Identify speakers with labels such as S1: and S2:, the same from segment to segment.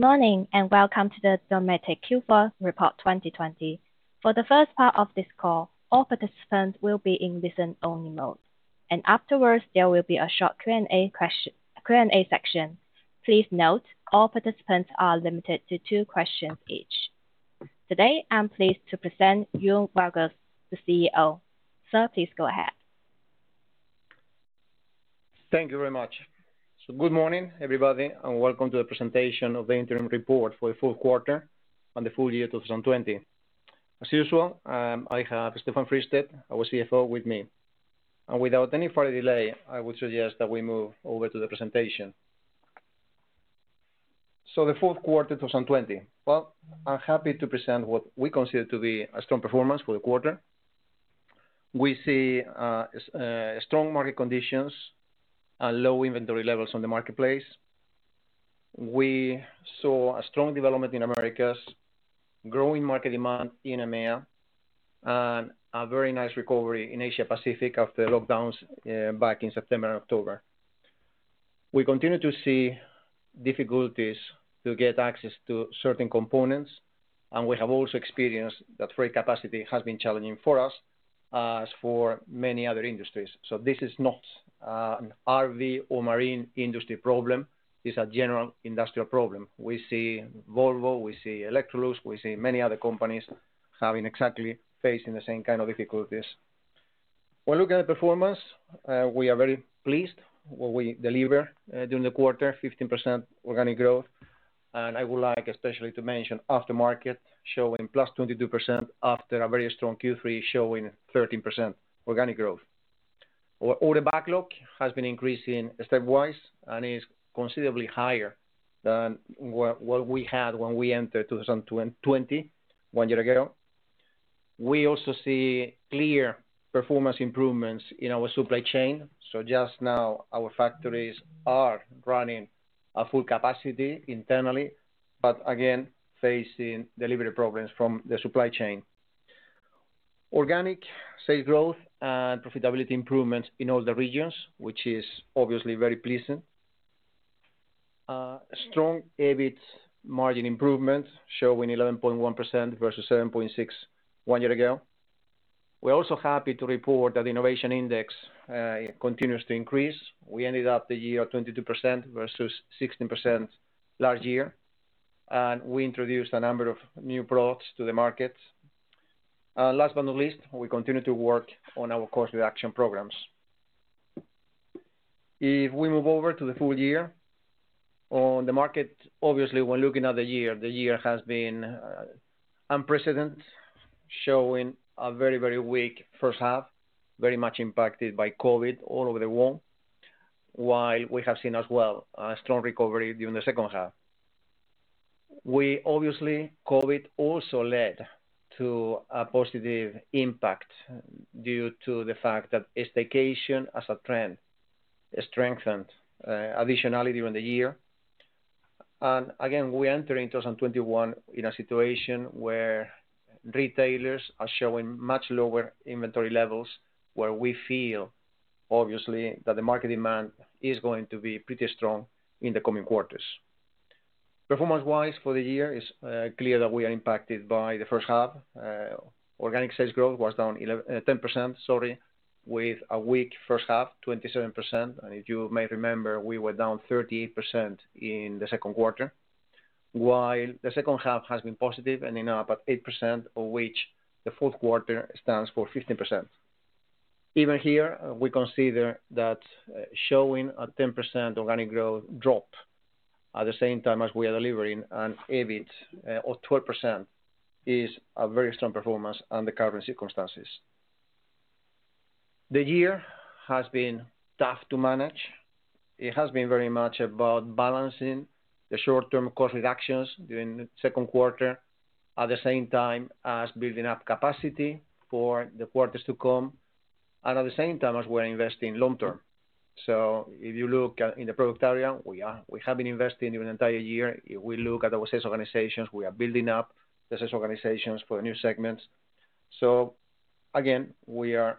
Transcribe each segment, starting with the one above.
S1: Morning, welcome to the Dometic Q4 Report 2020. For the first part of this call, all participants will be in listen only mode, and afterwards there will be a short Q&A section. Please note, all participants are limited to two questions each. Today, I'm pleased to present Juan Vargues, the CEO. Sir, please go ahead.
S2: Thank you very much. Good morning, everybody, and welcome to the presentation of the interim report for the fourth quarter and the full year 2020. As usual, I have Stefan Fristedt, our CFO with me. Without any further delay, I would suggest that we move over to the presentation. The fourth quarter 2020. Well, I am happy to present what we consider to be a strong performance for the quarter. We see strong market conditions and low inventory levels on the marketplace. We saw a strong development in Americas, growing market demand in EMEA, and a very nice recovery in Asia Pacific after lockdowns back in September and October. We continue to see difficulties to get access to certain components, and we have also experienced that freight capacity has been challenging for us as for many other industries. This is not an RV or marine industry problem. It's a general industrial problem. We see Volvo, we see Electrolux, we see many other companies having exactly facing the same kind of difficulties. When looking at performance, we are very pleased what we deliver during the quarter, 15% organic growth. I would like especially to mention aftermarket showing +22% after a very strong Q3 showing 13% organic growth. Our order backlog has been increasing stepwise and is considerably higher than what we had when we entered 2020 one year ago. We also see clear performance improvements in our supply chain. Just now, our factories are running at full capacity internally, but again, facing delivery problems from the supply chain. Organic sales growth and profitability improvements in all the regions, which is obviously very pleasing. A strong EBIT margin improvement showing 11.1% versus 7.6% one year ago. We're also happy to report that innovation index continues to increase. We ended up the year at 22% versus 16% last year. We introduced a number of new products to the market. Last but not least, we continue to work on our cost reduction programs. If we move over to the full year. On the market, obviously, when looking at the year, the year has been unprecedented, showing a very, very weak first half, very much impacted by COVID all over the world, while we have seen as well a strong recovery during the second half. Obviously, COVID also led to a positive impact due to the fact that staycation as a trend strengthened additionally during the year. Again, we enter in 2021 in a situation where retailers are showing much lower inventory levels where we feel, obviously, that the market demand is going to be pretty strong in the coming quarters. Performance-wise for the year, it's clear that we are impacted by the first half. Organic sales growth was down 10%, with a weak first half, 27%. If you may remember, we were down 38% in the second quarter, while the second half has been positive, ending up at 8%, of which the fourth quarter stands for 15%. Even here, we consider that showing a 10% organic growth drop at the same time as we are delivering an EBIT of 12% is a very strong performance under current circumstances. The year has been tough to manage. It has been very much about balancing the short-term cost reductions during the second quarter at the same time as building up capacity for the quarters to come, and at the same time as we are investing long term. If you look in the product area, we have been investing the entire year. If we look at our sales organizations, we are building up the sales organizations for new segments. Again, we are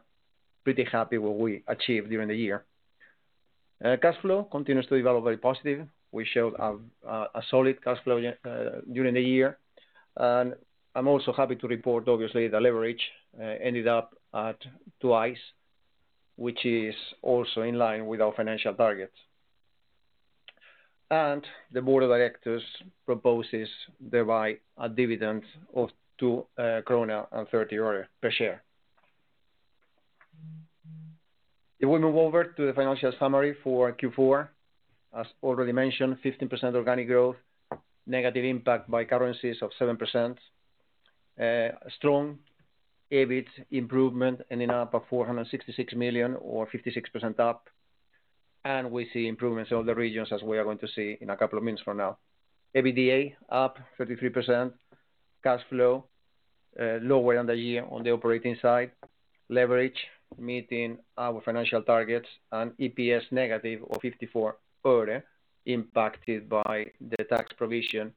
S2: pretty happy what we achieved during the year. Cash flow continues to develop very positive. We showed a solid cash flow during the year. I am also happy to report, obviously, the leverage ended up at twice, which is also in line with our financial targets. The board of directors proposes thereby a dividend of 2.30 kronor per share. If we move over to the financial summary for Q4, as already mentioned, 15% organic growth, negative impact by currencies of 7%. Strong EBIT improvement, ending up at 466 million or 56% up. We see improvements in all the regions as we are going to see in a couple of minutes from now. EBITDA up 33%. Cash flow lower on the year on the operating side. Leverage meeting our financial targets. EPS negative of SEK 0.54, impacted by the tax provision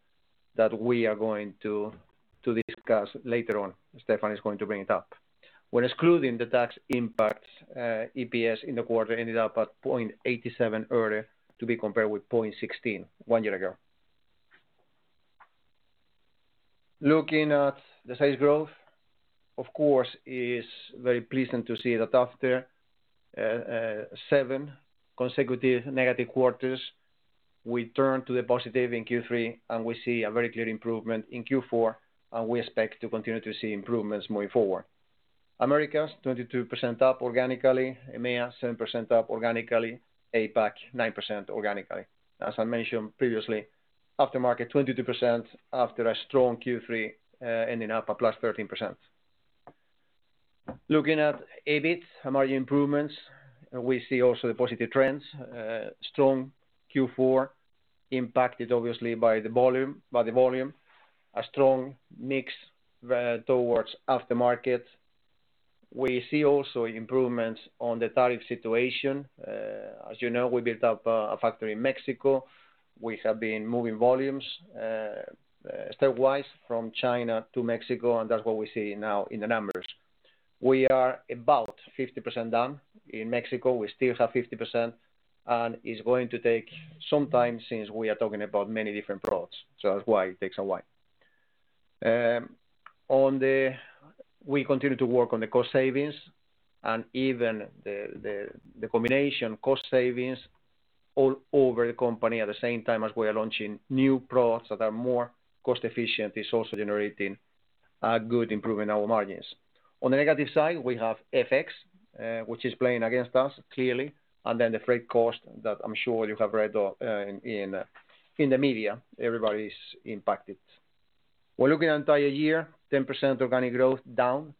S2: that we are going to discuss later on. Stefan is going to bring it up. When excluding the tax impacts, EPS in the quarter ended up at 0.87, to be compared with 0.16 one year ago. Looking at the sales growth, of course, it is very pleasing to see that after seven consecutive negative quarters, we turn to the positive in Q3, and we see a very clear improvement in Q4, and we expect to continue to see improvements moving forward. Americas, 22% up organically. EMEA, 7% up organically. APAC, 9% organically. As I mentioned previously, aftermarket, 22% after a strong Q3, ending up at +13%. Looking at EBIT margin improvements, we see also the positive trends. Strong Q4, impacted obviously by the volume, a strong mix towards aftermarket. We see also improvements on the tariff situation. As you know, we built up a factory in Mexico. We have been moving volumes stepwise from China to Mexico, and that's what we see now in the numbers. We are about 50% done in Mexico. We still have 50%. It's going to take some time since we are talking about many different products, so that's why it takes a while. We continue to work on the cost savings and even the combination cost savings all over the company at the same time as we are launching new products that are more cost-efficient. It's also generating a good improvement in our margins. On the negative side, we have FX, which is playing against us, clearly, and then the freight cost that I'm sure you have read in the media. Everybody's impacted. We're looking at entire year, 10% organic growth down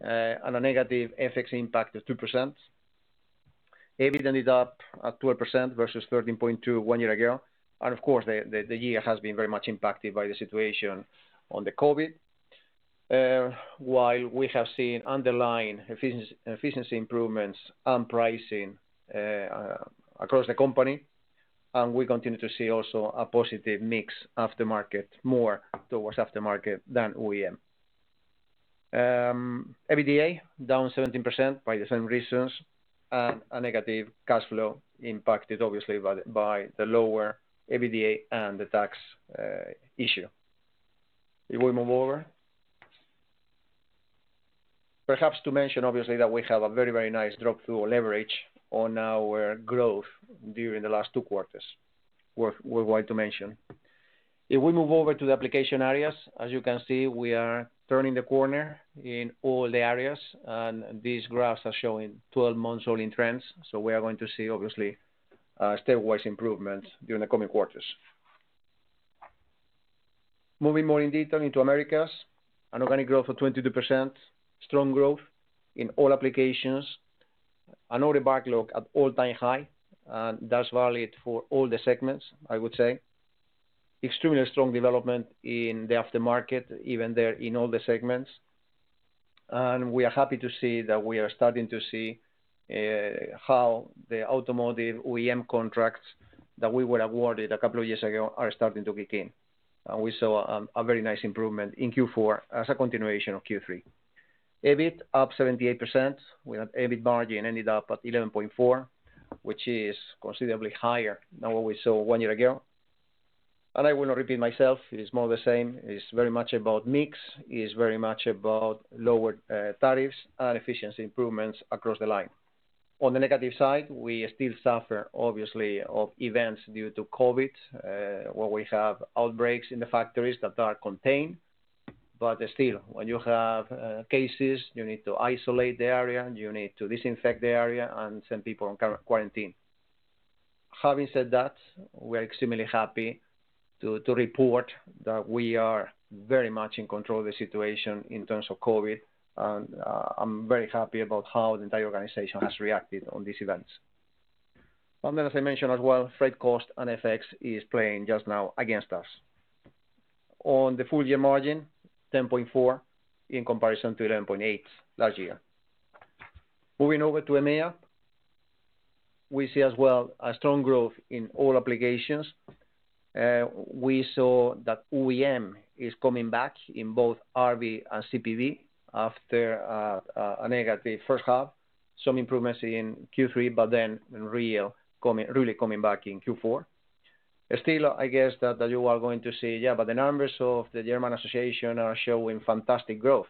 S2: and a negative FX impact of 2%. EBIT ended up at 12% versus 13.2% one year ago. Of course, the year has been very much impacted by the situation on the COVID. We have seen underlying efficiency improvements and pricing across the company. We continue to see also a positive mix aftermarket, more towards aftermarket than OEM. EBITDA down 17% by the same reasons. A negative cash flow impacted obviously by the lower EBITDA and the tax issue. If we move over, perhaps to mention, obviously, that we have a very, very nice drop-through leverage on our growth during the last two quarters. If we move over to the application areas, as you can see, we are turning the corner in all the areas. These graphs are showing 12 months rolling trends. We are going to see, obviously, stepwise improvements during the coming quarters. Moving more in detail into Americas, an organic growth of 22%, strong growth in all applications. Order backlog at all-time high. That's valid for all the segments, I would say. Extremely strong development in the aftermarket, even there in all the segments. We are happy to see that we are starting to see how the automotive OEM contracts that we were awarded a couple of years ago are starting to kick in. We saw a very nice improvement in Q4 as a continuation of Q3. EBIT up 78%. We have EBIT margin ended up at 11.4%, which is considerably higher than what we saw one year ago. I will not repeat myself. It is more the same. It's very much about mix. It's very much about lower tariffs and efficiency improvements across the line. On the negative side, we still suffer, obviously, of events due to COVID, where we have outbreaks in the factories that are contained. Still, when you have cases, you need to isolate the area, you need to disinfect the area, and send people on quarantine. Having said that, we are extremely happy to report that we are very much in control of the situation in terms of COVID, and I'm very happy about how the entire organization has reacted on these events. As I mentioned as well, freight cost and FX is playing just now against us. On the full-year margin, 10.4% in comparison to 11.8% last year. Moving over to EMEA, we see as well a strong growth in all applications. We saw that OEM is coming back in both RV and CPV after a negative first half, some improvements in Q3, but then really coming back in Q4. Still, I guess that you are going to say, "Yeah, but the numbers of the German Association are showing fantastic growth."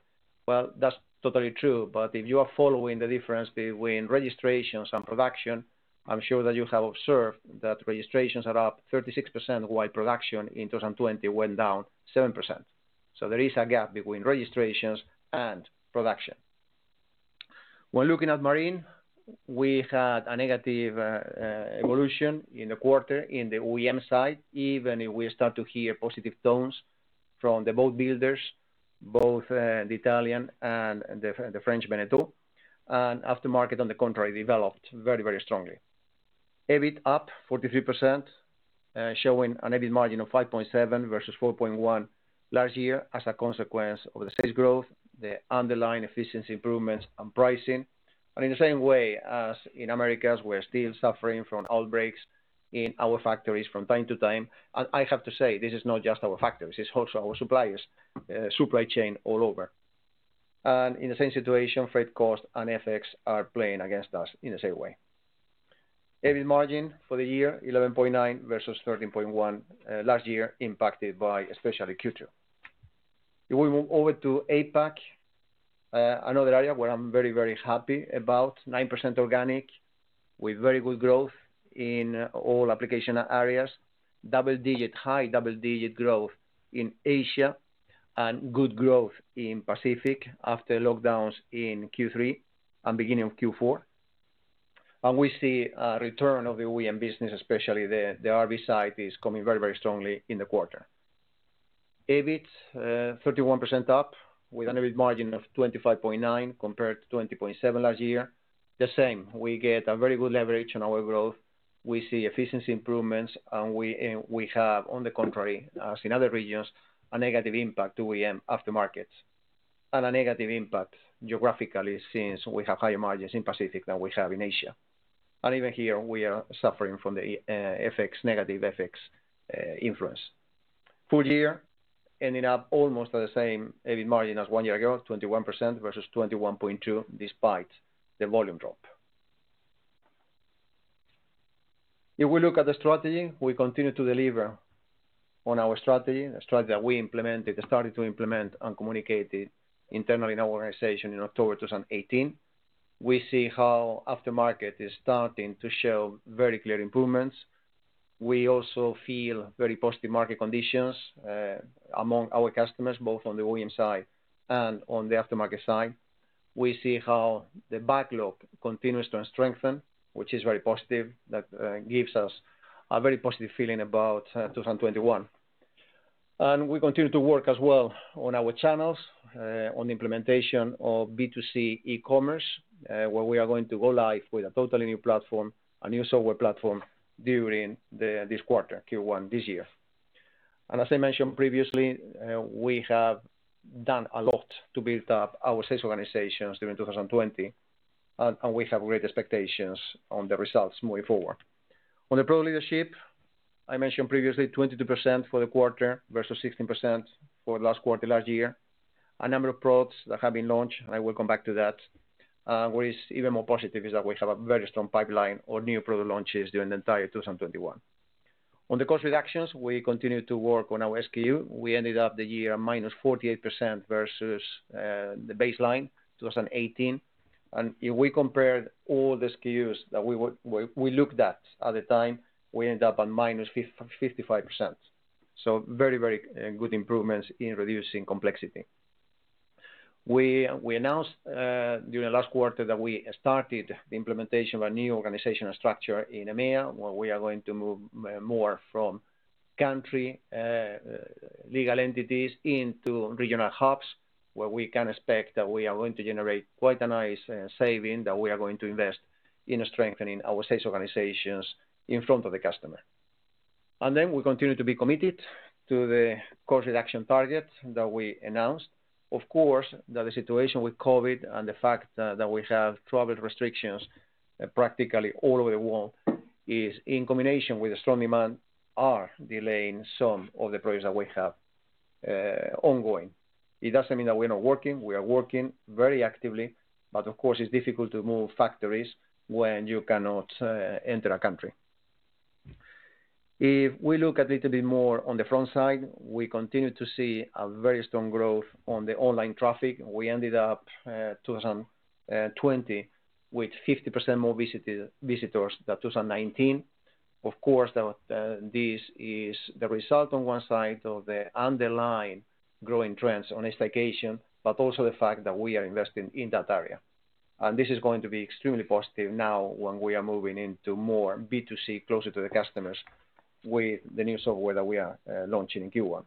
S2: Well, that's totally true, but if you are following the difference between registrations and production, I'm sure that you have observed that registrations are up 36%, while production in 2020 went down 7%. There is a gap between registrations and production. When looking at Marine, we had a negative evolution in the quarter in the OEM side, even if we start to hear positive tones from the boat builders, both the Italian and the French Beneteau. Aftermarket, on the contrary, developed very, very strongly. EBIT up 43%, showing an EBIT margin of 5.7 versus 4.1 last year as a consequence of the sales growth, the underlying efficiency improvements and pricing. In the same way as in Americas, we're still suffering from outbreaks in our factories from time to time. I have to say, this is not just our factories, it's also our suppliers, supply chain all over. In the same situation, freight costs and FX are playing against us in the same way. EBIT margin for the year, 11.9 versus 13.1 last year impacted by especially Q2. If we move over to APAC, another area where I'm very, very happy about 9% organic with very good growth in all application areas. High double-digit growth in Asia and good growth in Pacific after lockdowns in Q3 and beginning of Q4. We see a return of the OEM business, especially the RV side is coming very, very strongly in the quarter. EBIT, 31% up with an EBIT margin of 25.9% compared to 20.7% last year. The same, we get a very good leverage on our growth. We see efficiency improvements, and we have, on the contrary, as in other regions, a negative impact to OEM aftermarket. A negative impact geographically since we have higher margins in Pacific than we have in Asia. Even here we are suffering from the negative FX influence. Full year ending up almost at the same EBIT margin as one year ago, 21% versus 21.2%, despite the volume drop. If we look at the strategy, we continue to deliver on our strategy, a strategy that we started to implement and communicate it internally in our organization in October 2018. We see how aftermarket is starting to show very clear improvements. We also feel very positive market conditions among our customers, both on the OEM side and on the aftermarket side. We see how the backlog continues to strengthen, which is very positive. That gives us a very positive feeling about 2021. We continue to work as well on our channels, on the implementation of B2C e-commerce, where we are going to go live with a totally new platform, a new software platform during this quarter, Q1 this year. As I mentioned previously, we have done a lot to build up our sales organizations during 2020, and we have great expectations on the results moving forward. On the product leadership, I mentioned previously, 22% for the quarter versus 16% for last quarter, last year. A number of products that have been launched. I will come back to that. What is even more positive is that we have a very strong pipeline of new product launches during the entire 2021. On the cost reductions, we continue to work on our SKU. We ended up the year at -48% versus the baseline 2018. If we compared all the SKUs that we looked at the time, we end up at -55%. Very good improvements in reducing complexity. We announced during the last quarter that we started the implementation of a new organizational structure in EMEA, where we are going to move more from country legal entities into regional hubs, where we can expect that we are going to generate quite a nice saving that we are going to invest in strengthening our sales organizations in front of the customer. We continue to be committed to the cost reduction target that we announced. Of course, the situation with COVID and the fact that we have travel restrictions practically all over the world is in combination with a strong demand, are delaying some of the projects that we have ongoing. It doesn't mean that we're not working. We are working very actively, but of course, it's difficult to move factories when you cannot enter a country. If we look a little bit more on the front side, we continue to see a very strong growth on the online traffic. We ended up 2020 with 50% more visitors than 2019. Of course, this is the result on one side of the underlying growing trends on staycation, but also the fact that we are investing in that area. This is going to be extremely positive now when we are moving into more B2C closer to the customers with the new software that we are launching in Q1.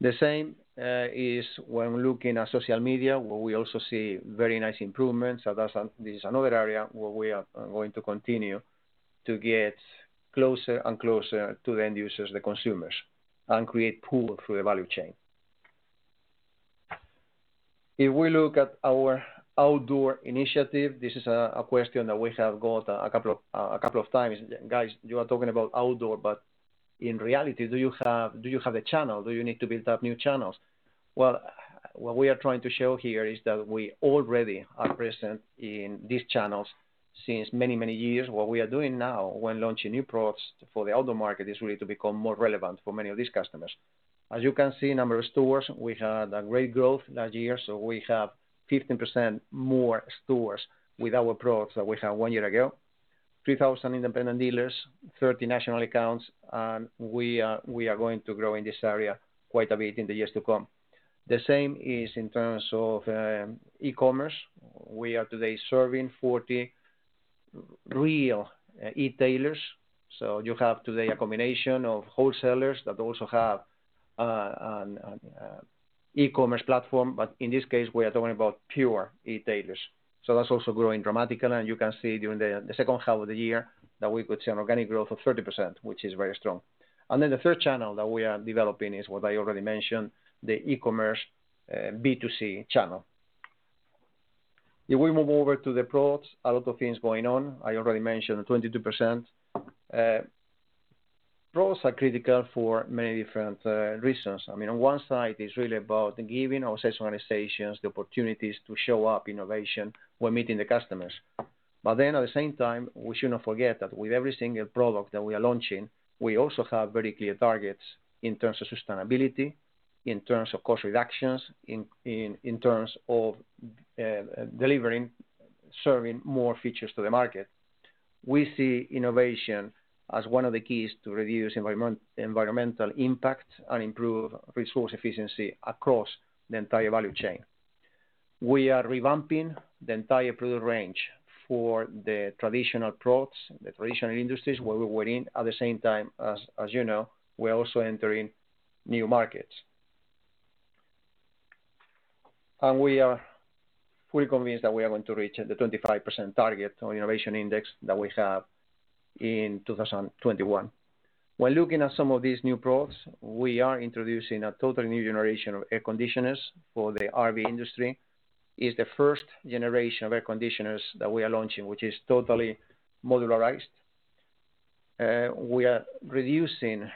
S2: The same is when looking at social media, where we also see very nice improvements. This is another area where we are going to continue to get closer and closer to the end users, the consumers, and create pull through the value chain. If we look at our outdoor initiative, this is a question that we have got a couple of times. "Guys, you are talking about outdoor, but in reality, do you have a channel? Do you need to build up new channels?" Well, what we are trying to show here is that we already are present in these channels since many, many years. What we are doing now when launching new products for the outdoor market is really to become more relevant for many of these customers. As you can see, number of stores, we had a great growth last year. We have 15% more stores with our products than we had one year ago. 3,000 independent dealers, 30 national accounts, and we are going to grow in this area quite a bit in the years to come. The same is in terms of e-commerce. We are today serving 40 real e-tailers. You have today a combination of wholesalers that also have an e-commerce platform. In this case, we are talking about pure e-tailers. That's also growing dramatically, and you can see during the second half of the year that we could see an organic growth of 30%, which is very strong. The third channel that we are developing is what I already mentioned, the e-commerce B2C channel. If we move over to the products, a lot of things going on. I already mentioned 22%. Products are critical for many different reasons. On one side, it's really about giving our sales organizations the opportunities to show up innovation when meeting the customers. At the same time, we should not forget that with every single product that we are launching, we also have very clear targets in terms of sustainability, in terms of cost reductions, in terms of delivering, serving more features to the market. We see innovation as one of the keys to reduce environmental impact and improve resource efficiency across the entire value chain. We are revamping the entire product range for the traditional products, the traditional industries where we were in. At the same time, as you know, we are also entering new markets. We are fully convinced that we are going to reach the 25% target on innovation index that we have in 2021. When looking at some of these new products, we are introducing a totally new generation of air conditioners for the RV industry. It's the first generation of air conditioners that we are launching, which is totally modularized. We are reducing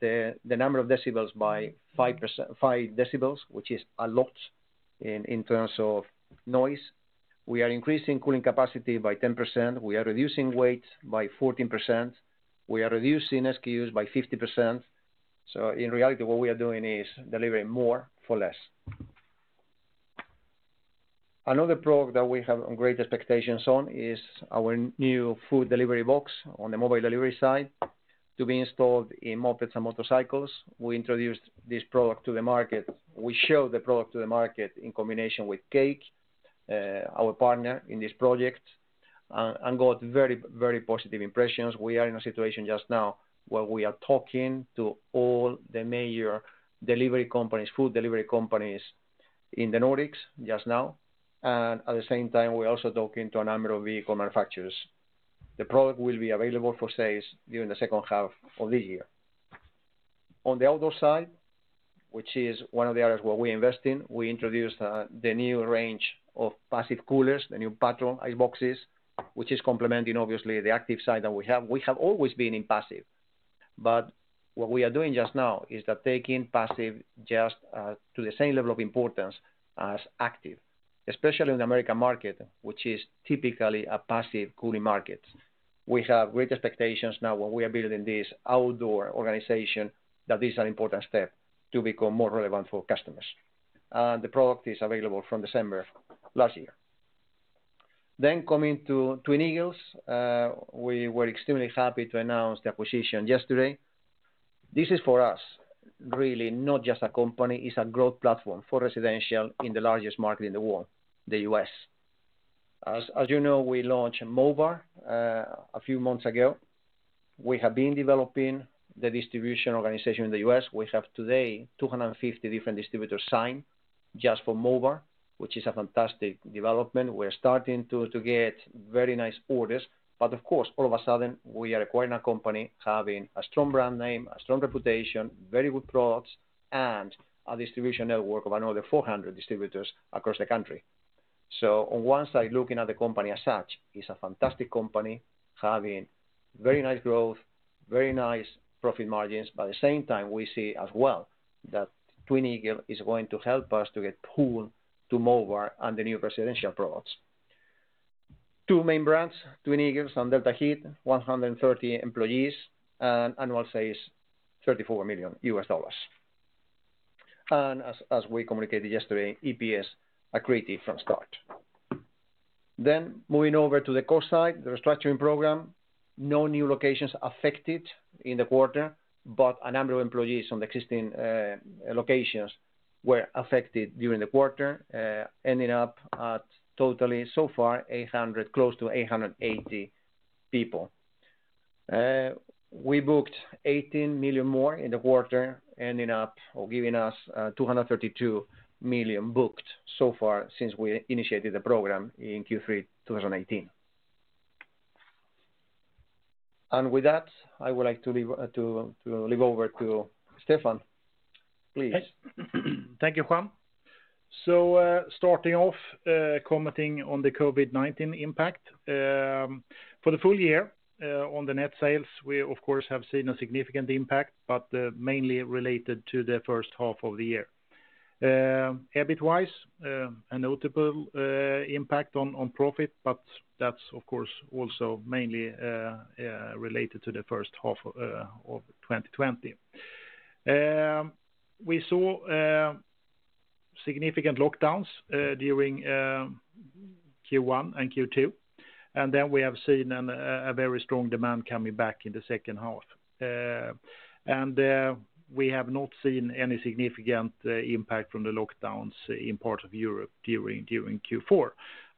S2: the number of decibels by five decibels, which is a lot in terms of noise. We are increasing cooling capacity by 10%. We are reducing weight by 14%. We are reducing SKUs by 50%. In reality, what we are doing is delivering more for less. Another product that we have great expectations on is our new food delivery box on the mobile delivery side to be installed in mopeds and motorcycles. We introduced this product to the market. We showed the product to the market in combination with CAKE, our partner in this project, and got very positive impressions. We are in a situation just now where we are talking to all the major delivery companies, food delivery companies in the Nordics just now. At the same time, we're also talking to a number of vehicle manufacturers. The product will be available for sales during the second half of this year. On the outdoor side, which is one of the areas where we invest in, we introduced the new range of passive coolers, the new Patrol ice boxes, which is complementing, obviously, the active side that we have. We have always been in passive, what we are doing just now is that taking passive just to the same level of importance as active, especially in the U.S. market, which is typically a passive cooling market. We have great expectations now when we are building this outdoor organization, that is an important step to become more relevant for customers. The product is available from December last year. Coming to Twin Eagles. We were extremely happy to announce the acquisition yesterday. This is for us really not just a company, it's a growth platform for residential in the largest market in the world, the U.S. As you know, we launched MoBar a few months ago. We have been developing the distribution organization in the U.S. We have today 250 different distributors signed just for MoBar, which is a fantastic development. We're starting to get very nice orders. Of course, all of a sudden, we are acquiring a company having a strong brand name, a strong reputation, very good products, and a distribution network of another 400 distributors across the country. On one side, looking at the company as such, it's a fantastic company having very nice growth, very nice profit margins. At the same time, we see as well that Twin Eagles is going to help us to get pull to MoBar and the new residential products. Two main brands, Twin Eagles and Delta Heat, 130 employees, and annual sales $34 million. As we communicated yesterday, EPS accretive from start. Moving over to the cost side, the restructuring program. No new locations affected in the quarter, but a number of employees from the existing locations were affected during the quarter, ending up at totally so far, close to 880 people. We booked 18 million more in the quarter, ending up or giving us 232 million booked so far since we initiated the program in Q3 2018. With that, I would like to leave over to Stefan, please.
S3: Thank you, Juan. Starting off, commenting on the COVID-19 impact. For the full year, on the net sales, we of course have seen a significant impact, but mainly related to the first half of the year. EBIT-wise, a notable impact on profit, but that's of course also mainly related to the first half of 2020. We saw significant lockdowns during Q1 and Q2, and then we have seen a very strong demand coming back in the second half. We have not seen any significant impact from the lockdowns in parts of Europe during Q4.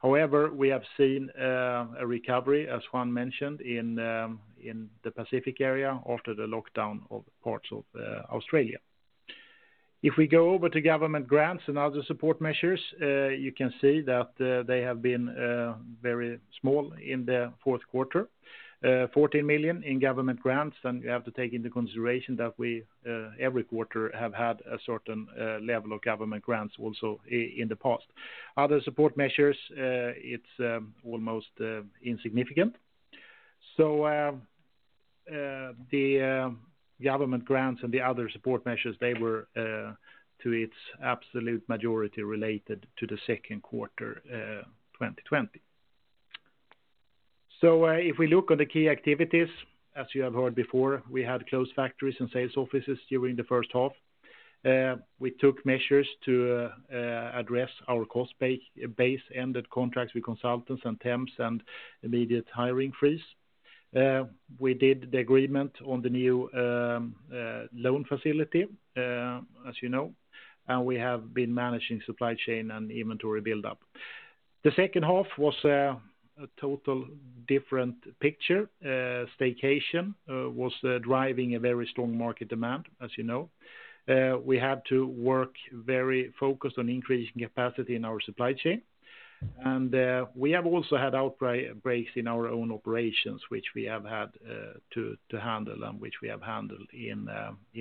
S3: However, we have seen a recovery, as Juan mentioned, in the Pacific area after the lockdown of parts of Australia. If we go over to government grants and other support measures, you can see that they have been very small in the fourth quarter. 14 million in government grants. You have to take into consideration that we, every quarter, have had a certain level of government grants also in the past. Other support measures, it's almost insignificant. The government grants and the other support measures, they were to its absolute majority related to the second quarter 2020. If we look on the key activities, as you have heard before, we had closed factories and sales offices during the first half. We took measures to address our cost base, ended contracts with consultants and temps, immediate hiring freeze. We did the agreement on the new loan facility, as you know. We have been managing supply chain and inventory buildup. The second half was a total different picture. Staycation was driving a very strong market demand, as you know. We had to work very focused on increasing capacity in our supply chain. We have also had outbreaks in our own operations, which we have had to handle, and which we have handled in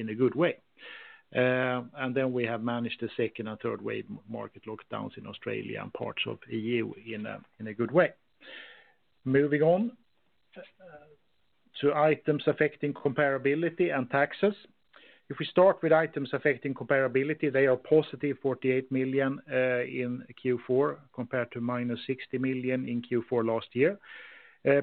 S3: a good way. We have managed the second and third wave market lockdowns in Australia and parts of EU in a good way. Moving on to items affecting comparability and taxes. If we start with items affecting comparability, they are positive 48 million in Q4 compared to -60 million in Q4 last year.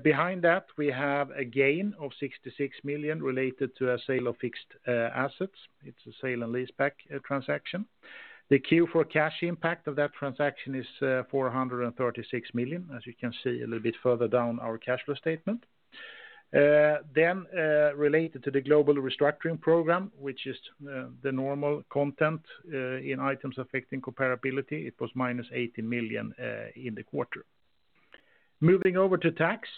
S3: Behind that, we have a gain of 66 million related to a sale of fixed assets. It is a sale and lease back transaction. The Q4 cash impact of that transaction is 436 million, as you can see a little bit further down our cash flow statement. Related to the global restructuring program, which is the normal content in items affecting comparability, it was -80 million in the quarter. Moving over to tax.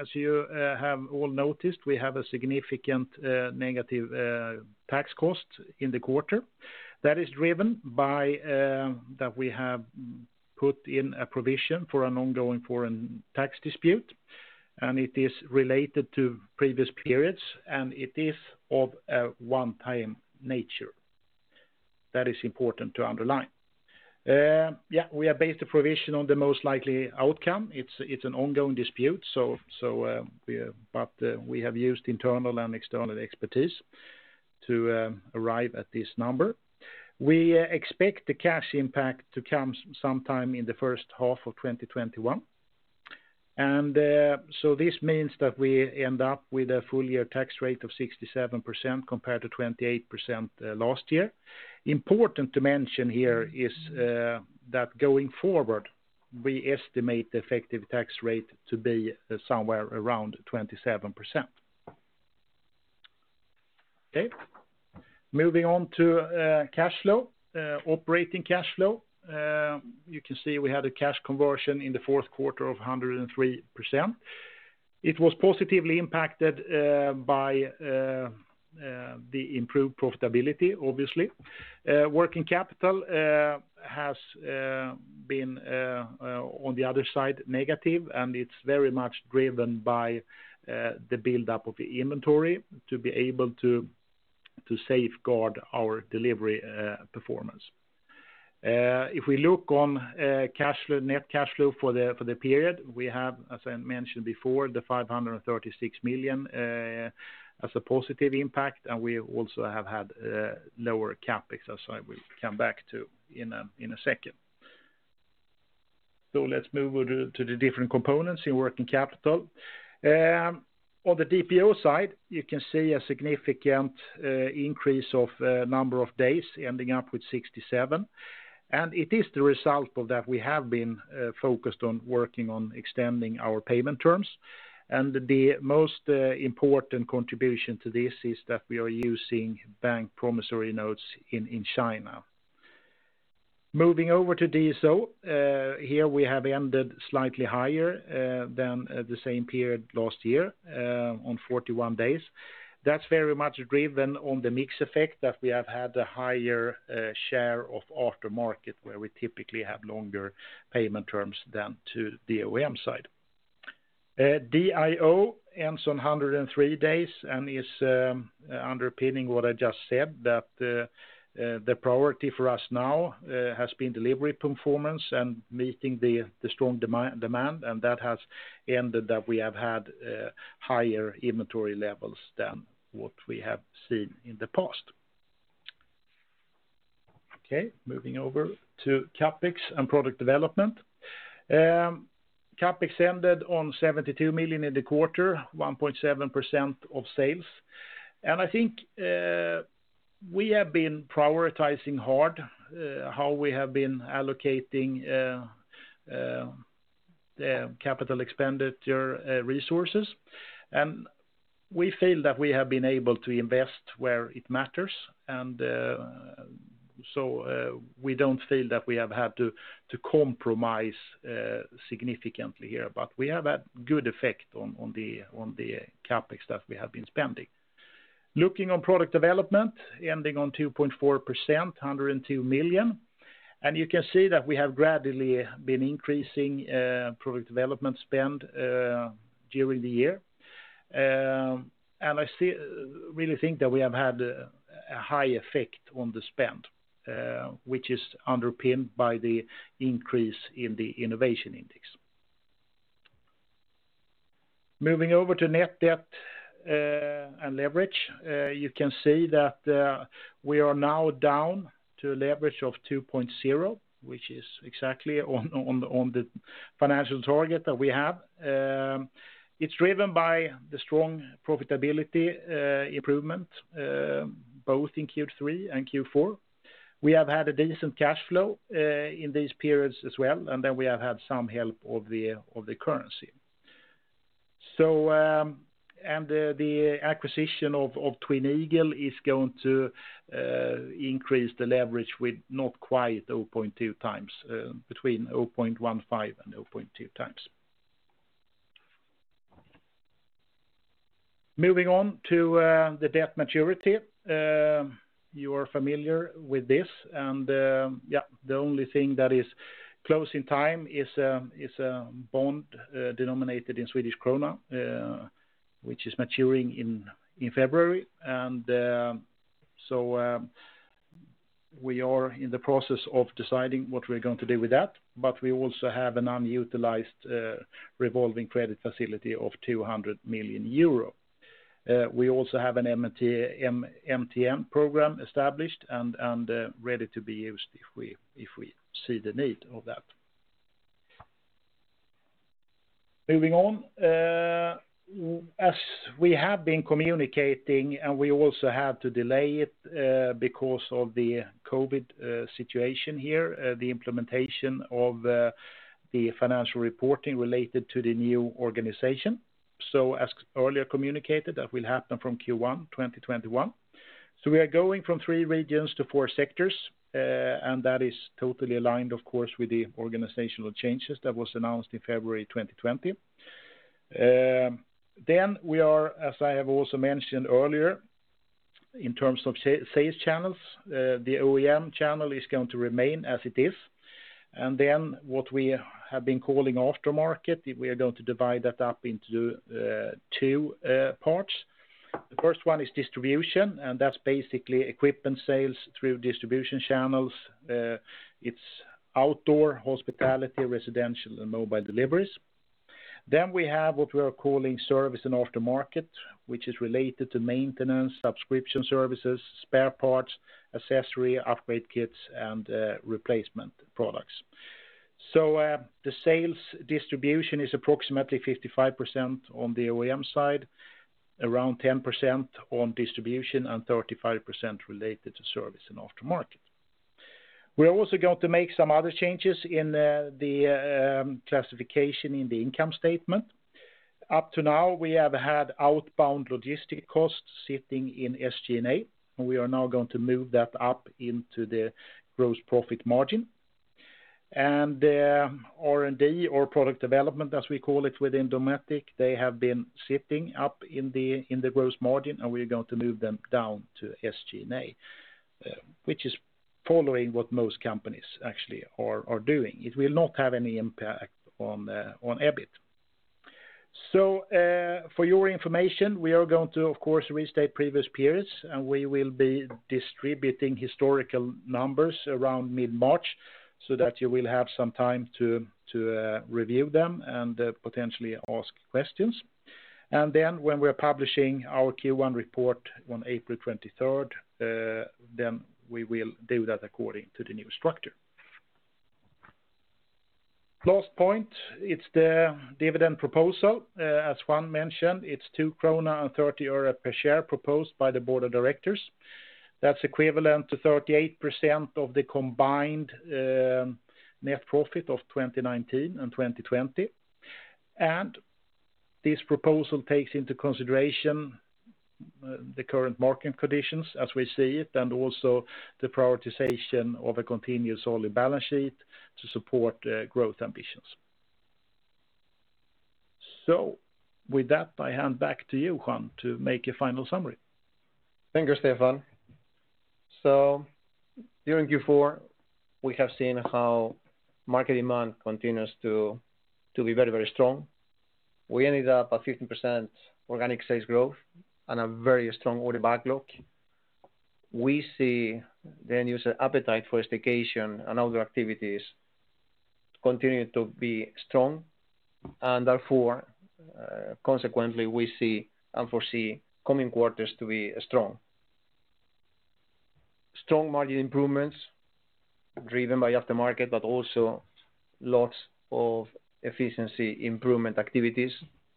S3: As you have all noticed, we have a significant negative tax cost in the quarter. That is driven by that we have put in a provision for an ongoing foreign tax dispute. It is related to previous periods, and it is of a one-time nature. That is important to underline. We have based the provision on the most likely outcome. It's an ongoing dispute. We have used internal and external expertise to arrive at this number. We expect the cash impact to come sometime in the first half of 2021. This means that we end up with a full year tax rate of 67% compared to 28% last year. Important to mention here is that going forward, we estimate the effective tax rate to be somewhere around 27%. Okay? Moving on to cash flow. Operating cash flow. You can see we had a cash conversion in the fourth quarter of 103%. It was positively impacted by the improved profitability, obviously. Working capital has been, on the other side, negative, and it's very much driven by the buildup of the inventory to be able to safeguard our delivery performance. If we look on net cash flow for the period, we have, as I mentioned before, the 536 million as a positive impact, and we also have had lower CapEx, as I will come back to in a second. Let's move to the different components in working capital. On the DPO side, you can see a significant increase of number of days ending up with 67. It is the result of that we have been focused on working on extending our payment terms. The most important contribution to this is that we are using bank promissory notes in China. Moving over to DSO. Here we have ended slightly higher than the same period last year on 41 days. That's very much driven on the mix effect that we have had a higher share of aftermarket where we typically have longer payment terms than to the OEM side. DIO ends on 103 days and is underpinning what I just said that the priority for us now has been delivery performance and meeting the strong demand, and that has ended that we have had higher inventory levels than what we have seen in the past. Okay, moving over to CapEx and product development. CapEx ended on 72 million in the quarter, 1.7% of sales. I think we have been prioritizing hard how we have been allocating the capital expenditure resources. We feel that we have been able to invest where it matters. We don't feel that we have had to compromise significantly here, but we have had good effect on the CapEx that we have been spending. Looking on product development, ending on 2.4%, 102 million. You can see that we have gradually been increasing product development spend during the year. I really think that we have had a high effect on the spend, which is underpinned by the increase in the innovation index. Moving over to net debt and leverage. You can see that we are now down to a leverage of 2.0, which is exactly on the financial target that we have. It's driven by the strong profitability improvement, both in Q3 and Q4. We have had a decent cash flow, in these periods as well. We have had some help of the currency. The acquisition of Twin Eagles is going to increase the leverage with not quite 0.2x, between 0.15 and 0.2x. Moving on to the debt maturity. You are familiar with this. The only thing that is close in time is a bond denominated in Swedish krona, which is maturing in February. We are in the process of deciding what we're going to do with that. We also have an unutilized revolving credit facility of 200 million euro. We also have an MTN program established and ready to be used if we see the need of that. Moving on. We have been communicating, and we also had to delay it, because of the COVID situation here, the implementation of the financial reporting related to the new organization. As earlier communicated, that will happen from Q1 2021. We are going from three regions to four sectors, and that is totally aligned, of course, with the organizational changes that was announced in February 2020. We are, as I have also mentioned earlier, in terms of sales channels, the OEM channel is going to remain as it is. What we have been calling aftermarket, we are going to divide that up into two parts. The first one is distribution, and that's basically equipment sales through distribution channels. It's outdoor hospitality, residential, and mobile deliveries. We have what we are calling service and aftermarket, which is related to maintenance, subscription services, spare parts, accessory, upgrade kits, and replacement products. The sales distribution is approximately 55% on the OEM side, around 10% on distribution, and 35% related to service and aftermarket. We are also going to make some other changes in the classification in the income statement. Up to now, we have had outbound logistic costs sitting in SG&A, and we are now going to move that up into the gross profit margin. R&D or product development, as we call it within Dometic, they have been sitting up in the gross margin, and we are going to move them down to SG&A, which is following what most companies actually are doing. It will not have any impact on EBIT. For your information, we are going to, of course, restate previous periods, and we will be distributing historical numbers around mid-March so that you will have some time to review them and potentially ask questions. When we're publishing our Q1 report on April 23rd, then we will do that according to the new structure. Last point, it's the dividend proposal. As Juan mentioned, it's SEK 2.30 per share proposed by the board of directors. That's equivalent to 38% of the combined net profit of 2019 and 2020. This proposal takes into consideration the current market conditions as we see it, and also the prioritization of a continuous solid balance sheet to support growth ambitions. With that, I hand back to you, Juan, to make a final summary.
S2: Thank you, Stefan. During Q4, we have seen how market demand continues to be very strong. We ended up at 15% organic sales growth and a very strong order backlog. We see the end user appetite for staycation and other activities continue to be strong and therefore, consequently, we see and foresee coming quarters to be strong. Strong margin improvements driven by aftermarket, also lots of efficiency improvement activities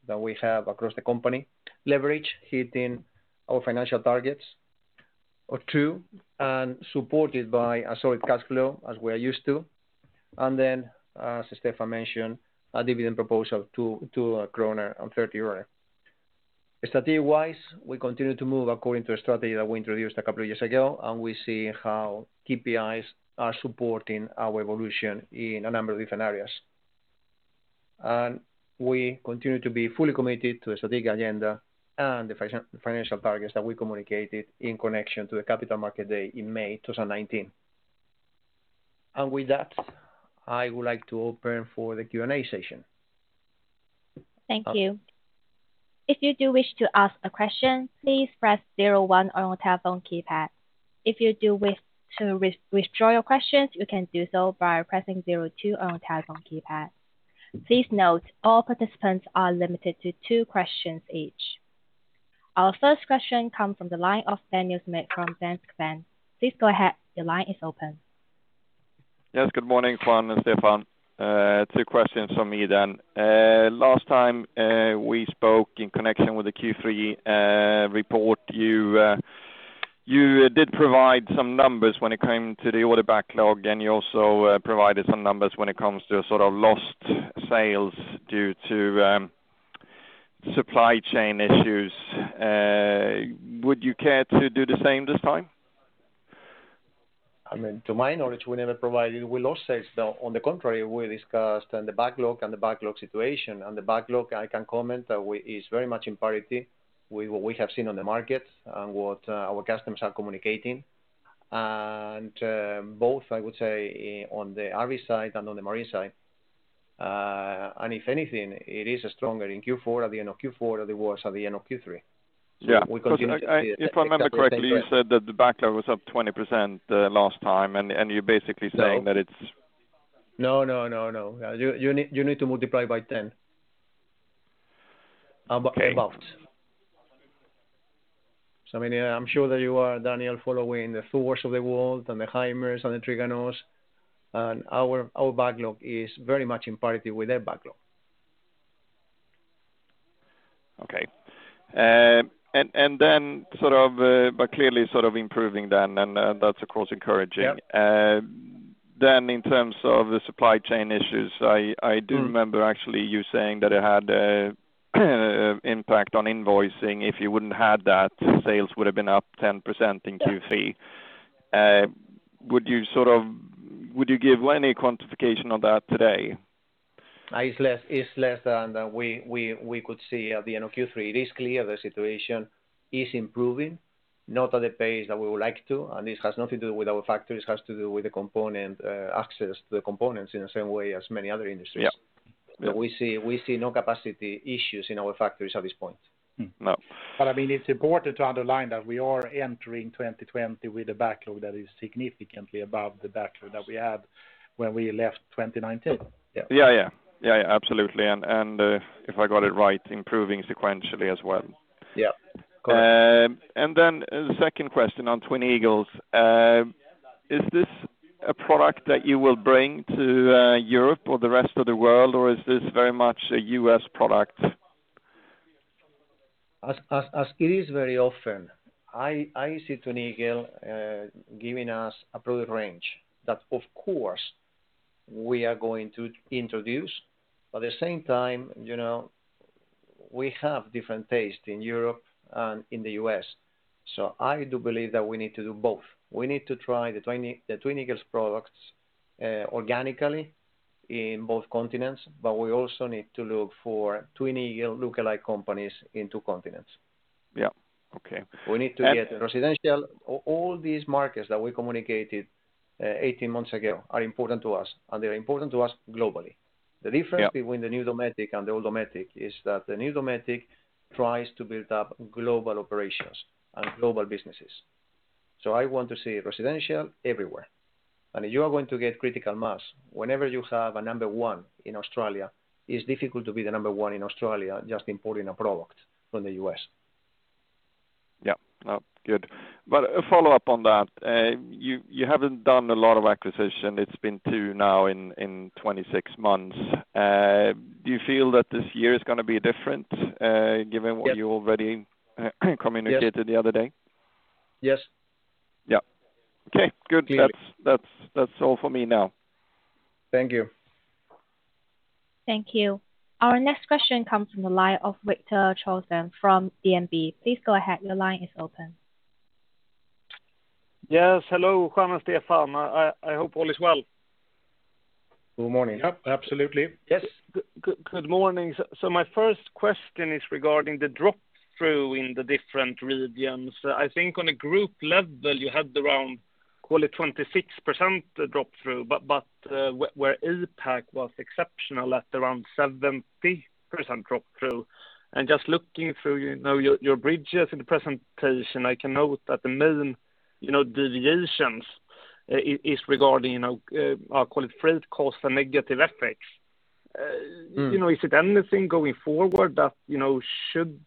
S2: that we have across the company. Leverage hitting our financial targets of two and supported by a solid cash flow as we are used to. As Stefan mentioned, a dividend proposal, SEK 2.30. Strategy-wise, we continue to move according to a strategy that we introduced a couple of years ago, and we see how KPIs are supporting our evolution in a number of different areas. We continue to be fully committed to the strategic agenda and the financial targets that we communicated in connection to the Capital Markets Day in May 2019. With that, I would like to open for the Q&A session.
S1: Thank you. If you do wish to ask a question, please press 01 on your telephone keypad. If you do wish to withdraw your questions, you can do so by pressing 02 on your telephone keypad. Please note, all participants are limited to two questions each. Our first question comes from the line of Daniel Schmidt from Danske Bank. Please go ahead. Your line is open.
S4: Good morning, Juan and Stefan. Two questions from me then. Last time we spoke in connection with the Q3 report, you did provide some numbers when it came to the order backlog, and you also provided some numbers when it comes to sort of lost sales due to supply chain issues. Would you care to do the same this time?
S2: To my knowledge, we never provided we lost sales. On the contrary, we discussed the backlog and the backlog situation. The backlog I can comment is very much in parity with what we have seen on the market and what our customers are communicating. Both, I would say, on the RV side and on the marine side. If anything, it is stronger in Q4, at the end of Q4 than it was at the end of Q3.
S4: Yeah.
S2: We continue to see-
S4: If I remember correctly, you said that the backlog was up 20% last time.
S3: No. You need to multiply by 10. About.
S4: Okay.
S2: I'm sure that you are, Daniel, following the Thor's of the world and the Hymer's and the Trigano's, and our backlog is very much in parity with their backlog.
S4: Okay. Clearly sort of improving then, and that's of course encouraging.
S2: Yeah.
S4: In terms of the supply chain issues, I do remember actually you saying that it had an impact on invoicing. If you wouldn't had that, sales would've been up 10% in Q3. Would you give any quantification on that today?
S2: It's less than we could see at the end of Q3. It is clear the situation is improving, not at the pace that we would like to, and this has nothing to do with our factories, it has to do with the access to the components in the same way as many other industries.
S4: Yeah.
S2: We see no capacity issues in our factories at this point.
S3: No. It's important to underline that we are entering 2020 with a backlog that is significantly above the backlog that we had when we left 2019.
S2: Yeah.
S4: Yeah. Absolutely. If I got it right, improving sequentially as well.
S2: Yeah. Correct.
S4: The second question on Twin Eagles. Is this a product that you will bring to Europe or the rest of the world, or is this very much a U.S. product?
S2: As it is very often, I see Twin Eagles giving us a product range that, of course, we are going to introduce. At the same time, we have different tastes in Europe and in the U.S. I do believe that we need to do both. We need to try the Twin Eagles products organically in both continents, but we also need to look for Twin Eagles lookalike companies in two continents.
S4: Yeah. Okay.
S2: We need to get residential. All these markets that we communicated 18 months ago are important to us, and they're important to us globally.
S4: Yeah.
S2: The difference between the new Dometic and the old Dometic is that the new Dometic tries to build up global operations and global businesses. I want to see residential everywhere. You are going to get critical mass. Whenever you have a number one in Australia, it's difficult to be the number one in Australia just importing a product from the U.S.
S4: Yeah. Good. A follow-up on that. You haven't done a lot of acquisition. It's been two now in 26 months. Do you feel that this year is going to be different given what you already communicated the other day?
S2: Yes.
S4: Yeah. Okay, good. That's all for me now.
S2: Thank you.
S1: Thank you. Our next question comes from the line of Viktor Trollsten from DNB. Please go ahead. Your line is open.
S5: Yes. Hello, Juan and Stefan. I hope all is well.
S2: Good morning.
S3: Yep, absolutely.
S2: Yes.
S5: Good morning. My first question is regarding the drop-through in the different regions. I think on a group level, you had around, call it 26% drop-through, but where APAC was exceptional at around 70% drop-through. Just looking through your bridges in the presentation, I can note that the main deviations is regarding, I'll call it freight cost and negative FX. Is it anything going forward that should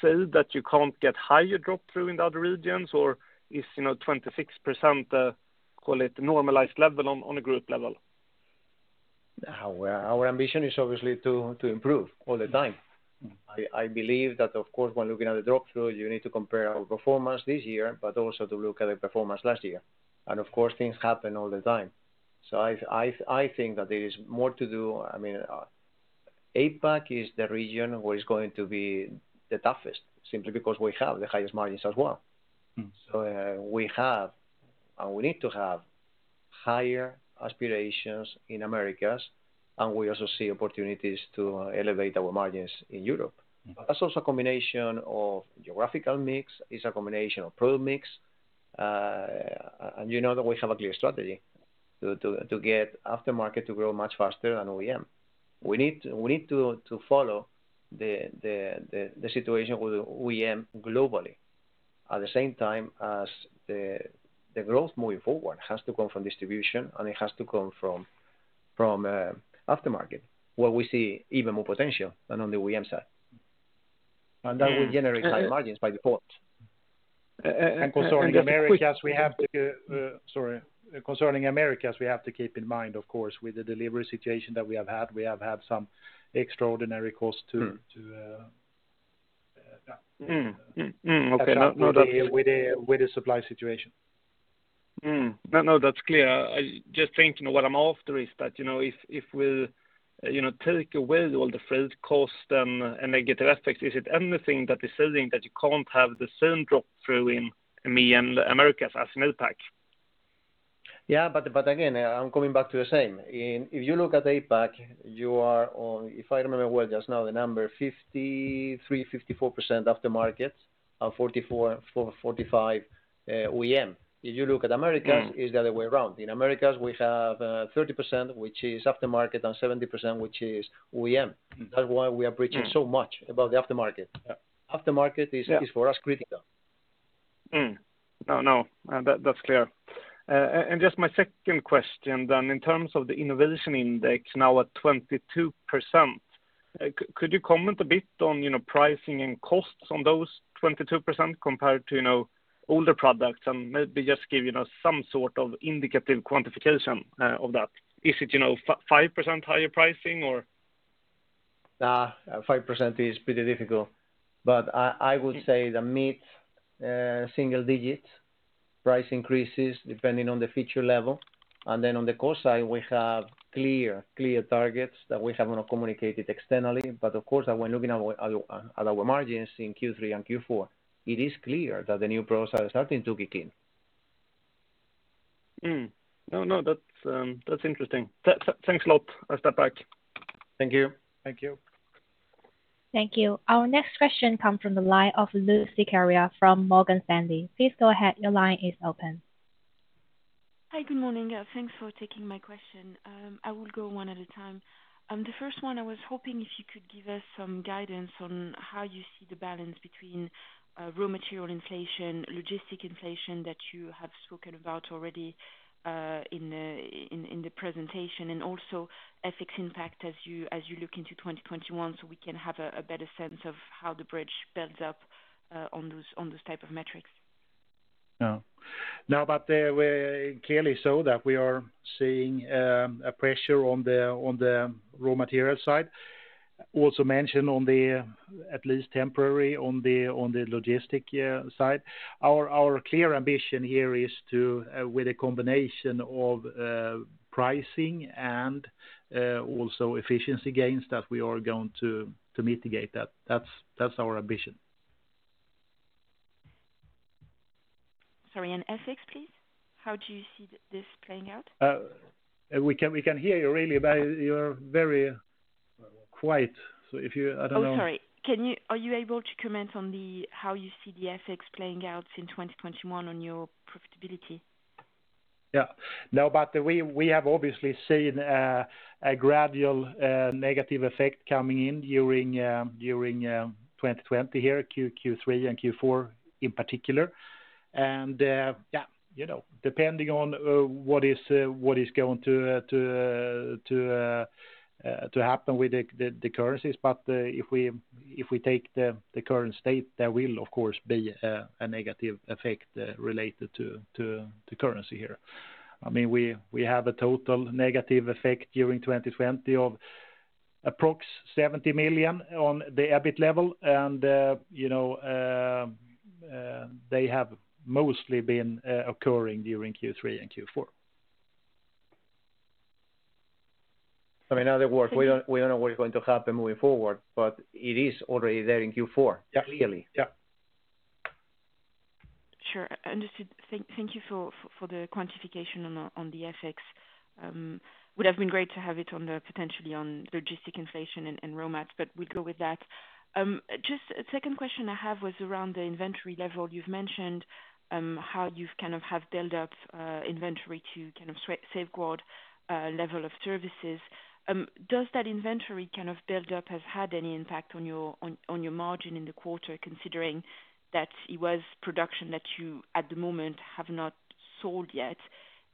S5: say that you can't get higher drop-through in the other regions, or is 26%, call it, normalized level on a group level?
S2: Our ambition is obviously to improve all the time. I believe that of course, when looking at the drop-through, you need to compare our performance this year, but also to look at the performance last year. Of course, things happen all the time. I think that there is more to do. APAC is the region where it's going to be the toughest, simply because we have the highest margins as well. We have, and we need to have, higher aspirations in Americas, and we also see opportunities to elevate our margins in Europe. That's also a combination of geographical mix, it's a combination of product mix. You know that we have a clear strategy to get aftermarket to grow much faster than OEM. We need to follow the situation with OEM globally. At the same time as the growth moving forward has to come from distribution, and it has to come from aftermarket, where we see even more potential than on the OEM side. That will generate higher margins by default.
S5: And just a quick-
S3: Concerning Americas, we have to keep in mind, of course, with the delivery situation that we have had some extraordinary costs.
S5: Okay.
S3: With the supply situation.
S5: No, that's clear. I just trying to What I'm after is that, if we take away all the freight cost and negative aspects, is it anything that is saying that you can't have the same drop through in MEA and Americas as in APAC?
S2: Again, I'm coming back to the same. If you look at APAC, you are on, if I remember well, just now the number 53%-54% aftermarket, and 44%-45% OEM. If you look at Americas. It's the other way around. In Americas, we have 30%, which is aftermarket, and 70%, which is OEM. That's why we are preaching so much about the aftermarket.
S5: Yeah.
S2: Aftermarket is for us critical.
S5: No, that's clear. Just my second question, in terms of the innovation index now at 22%, could you comment a bit on pricing and costs on those 22% compared to older products and maybe just give some sort of indicative quantification of that? Is it 5% higher pricing or?
S3: Nah, 5% is pretty difficult, but I would say the mid-single digit price increases depending on the feature level. On the cost side, we have clear targets that we have not communicated externally. Of course, when looking at our margins in Q3 and Q4, it is clear that the new process are starting to kick in.
S5: No, that's interesting. Thanks a lot. I'll step back.
S2: Thank you.
S3: Thank you.
S1: Thank you. Our next question comes from the line of Lucie Carrier from Morgan Stanley. Please go ahead. Your line is open.
S6: Hi. Good morning. Thanks for taking my question. I will go one at a time. The first one, I was hoping if you could give us some guidance on how you see the balance between raw material inflation, logistic inflation that you have spoken about already in the presentation, and also FX impact as you look into 2021, so we can have a better sense of how the bridge builds up on those type of metrics.
S3: They clearly show that we are seeing a pressure on the raw material side, also mentioned on the, at least temporary, on the logistic side. Our clear ambition here is to, with a combination of pricing and also efficiency gains, that we are going to mitigate that. That's our ambition.
S6: Sorry, and FX, please. How do you see this playing out?
S3: We can hear you really, but you're very quiet. If you I don't know.
S6: Oh, sorry. Are you able to comment on how you see the FX playing out in 2021 on your profitability?
S3: Yeah, we have obviously seen a gradual negative effect coming in during 2020 here, Q3 and Q4 in particular. Yeah, depending on what is going to happen with the currencies. If we take the current state, there will, of course, be a negative effect related to currency here. We have a total negative effect during 2020 of approx 70 million on the EBIT level. They have mostly been occurring during Q3 and Q4.
S2: In other words, we don't know what is going to happen moving forward, but it is already there in Q4.
S3: Yeah.
S2: Clearly.
S3: Yeah.
S6: Sure. Understood. Thank you for the quantification on the FX. Would have been great to have it potentially on logistic inflation and raw mats, we'll go with that. Just a second question I have was around the inventory level. You've mentioned how you've built up inventory to safeguard level of services. Does that inventory build up have had any impact on your margin in the quarter, considering that it was production that you, at the moment, have not sold yet?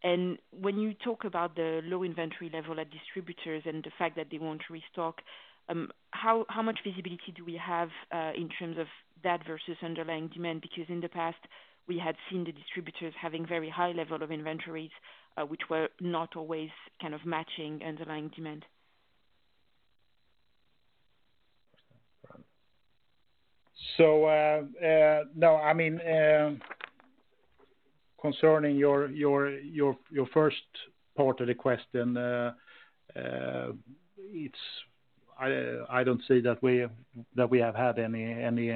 S6: When you talk about the low inventory level at distributors and the fact that they want to restock, how much visibility do we have in terms of that versus underlying demand? In the past, we had seen the distributors having very high level of inventories, which were not always matching underlying demand.
S3: Concerning your first part of the question, I don't see that we have had any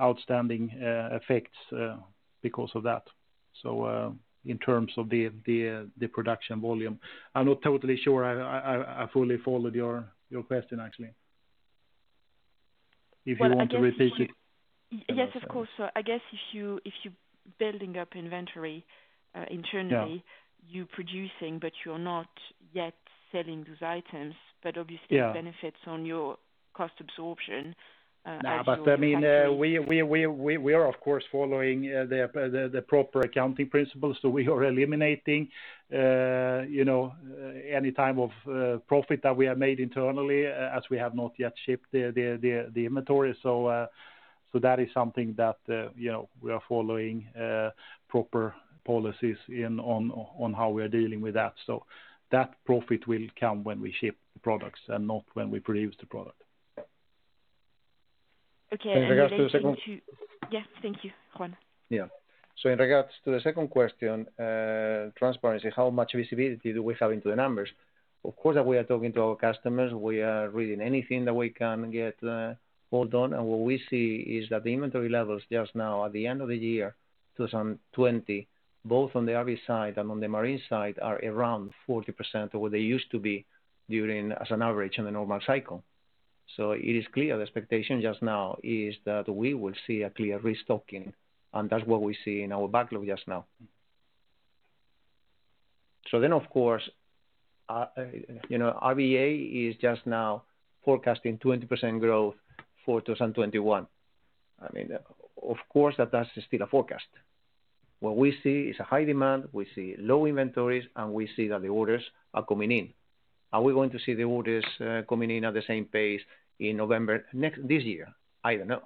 S3: outstanding effects because of that, in terms of the production volume. I'm not totally sure I fully followed your question, actually. If you want to repeat it.
S6: Yes, of course. I guess if you're building up inventory internally-
S3: Yeah
S6: you're producing, but you're not yet selling those items.
S3: Yeah
S6: It benefits on your cost absorption.
S3: I mean, we are, of course, following the proper accounting principles. We are eliminating any type of profit that we have made internally, as we have not yet shipped the inventory. That is something that we are following proper policies on how we are dealing with that. That profit will come when we ship the products and not when we produce the product.
S6: Okay.
S2: In regards to the second-
S6: Yes, thank you, Juan.
S2: Yeah. In regards to the second question, transparency, how much visibility do we have into the numbers? Of course, that we are talking to our customers. We are reading anything that we can get hold on. What we see is that the inventory levels just now at the end of the year 2020, both on the RV side and on the marine side, are around 40% of what they used to be during, as an average, in a normal cycle. It is clear, the expectation just now is that we will see a clear restocking, and that's what we see in our backlog just now. Of course, RVIA is just now forecasting 20% growth for 2021. Of course, that is still a forecast. What we see is a high demand, we see low inventories, and we see that the orders are coming in. Are we going to see the orders coming in at the same pace in November this year? I don't know.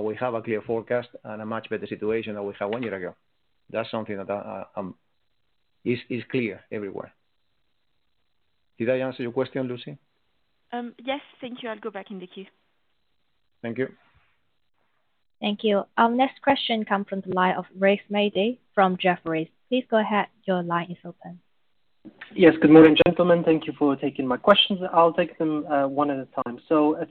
S2: We have a clear forecast and a much better situation than we had one year ago. That's something that is clear everywhere. Did I answer your question, Lucie?
S6: Yes. Thank you. I'll go back in the queue.
S2: Thank you.
S1: Thank you. Our next question come from the line of Rizk Maidi from Jefferies. Please go ahead, your line is open.
S7: Good morning, gentlemen. Thank you for taking my questions. I'll take them one at a time.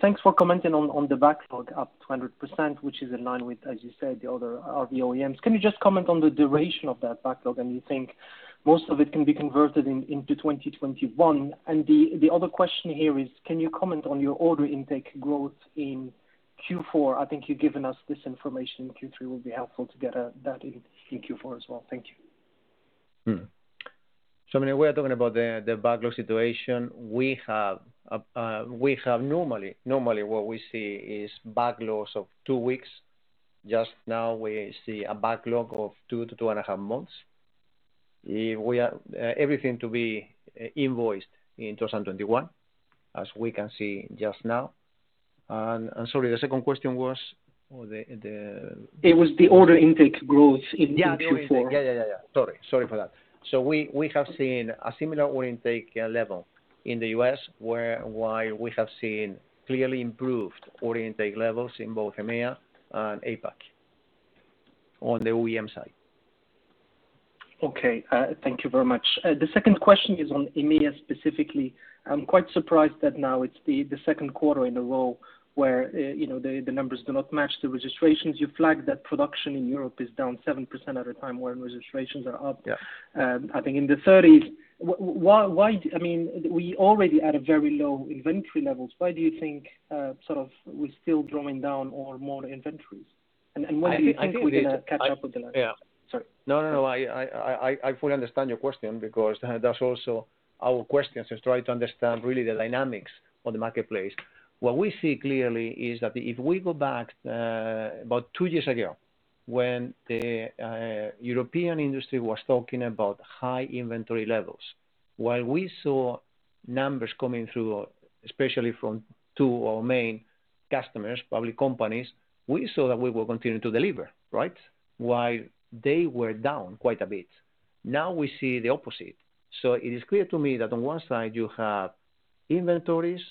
S7: Thanks for commenting on the backlog, up 200%, which is in line with, as you said, the other RV OEMs. Can you just comment on the duration of that backlog? You think most of it can be converted into 2021? The other question here is, can you comment on your order intake growth in Q4? I think you've given us this information. Q3 will be helpful to get that in Q4 as well. Thank you.
S2: When we are talking about the backlog situation, normally what we see is backlogs of two weeks. Just now we see a backlog of two to two and a half months, everything to be invoiced in 2021, as we can see just now. I'm sorry, the second question was?
S7: It was the order intake growth in Q4.
S2: Yeah, yeah. Sorry for that. We have seen a similar order intake level in the U.S., while we have seen clearly improved order intake levels in both EMEA and APAC on the OEM side.
S7: Okay. Thank you very much. The second question is on EMEA specifically. I'm quite surprised that now it's the second quarter in a row where the numbers do not match the registrations. You flagged that production in Europe is down 7% at a time when registrations are up-
S2: Yeah
S7: I think in the 30s. We already at a very low inventory levels. Why do you think we're still drawing down on more inventories? When do you think we're going to catch up with the level?
S2: Yeah.
S7: Sorry.
S2: No, I fully understand your question because that's also our question, is try to understand really the dynamics of the marketplace. What we see clearly is that if we go back about two years ago when the European industry was talking about high inventory levels, while we saw numbers coming through, especially from two or more main customers, public companies, we saw that we will continue to deliver, right? They were down quite a bit. Now we see the opposite. It is clear to me that on one side you have inventories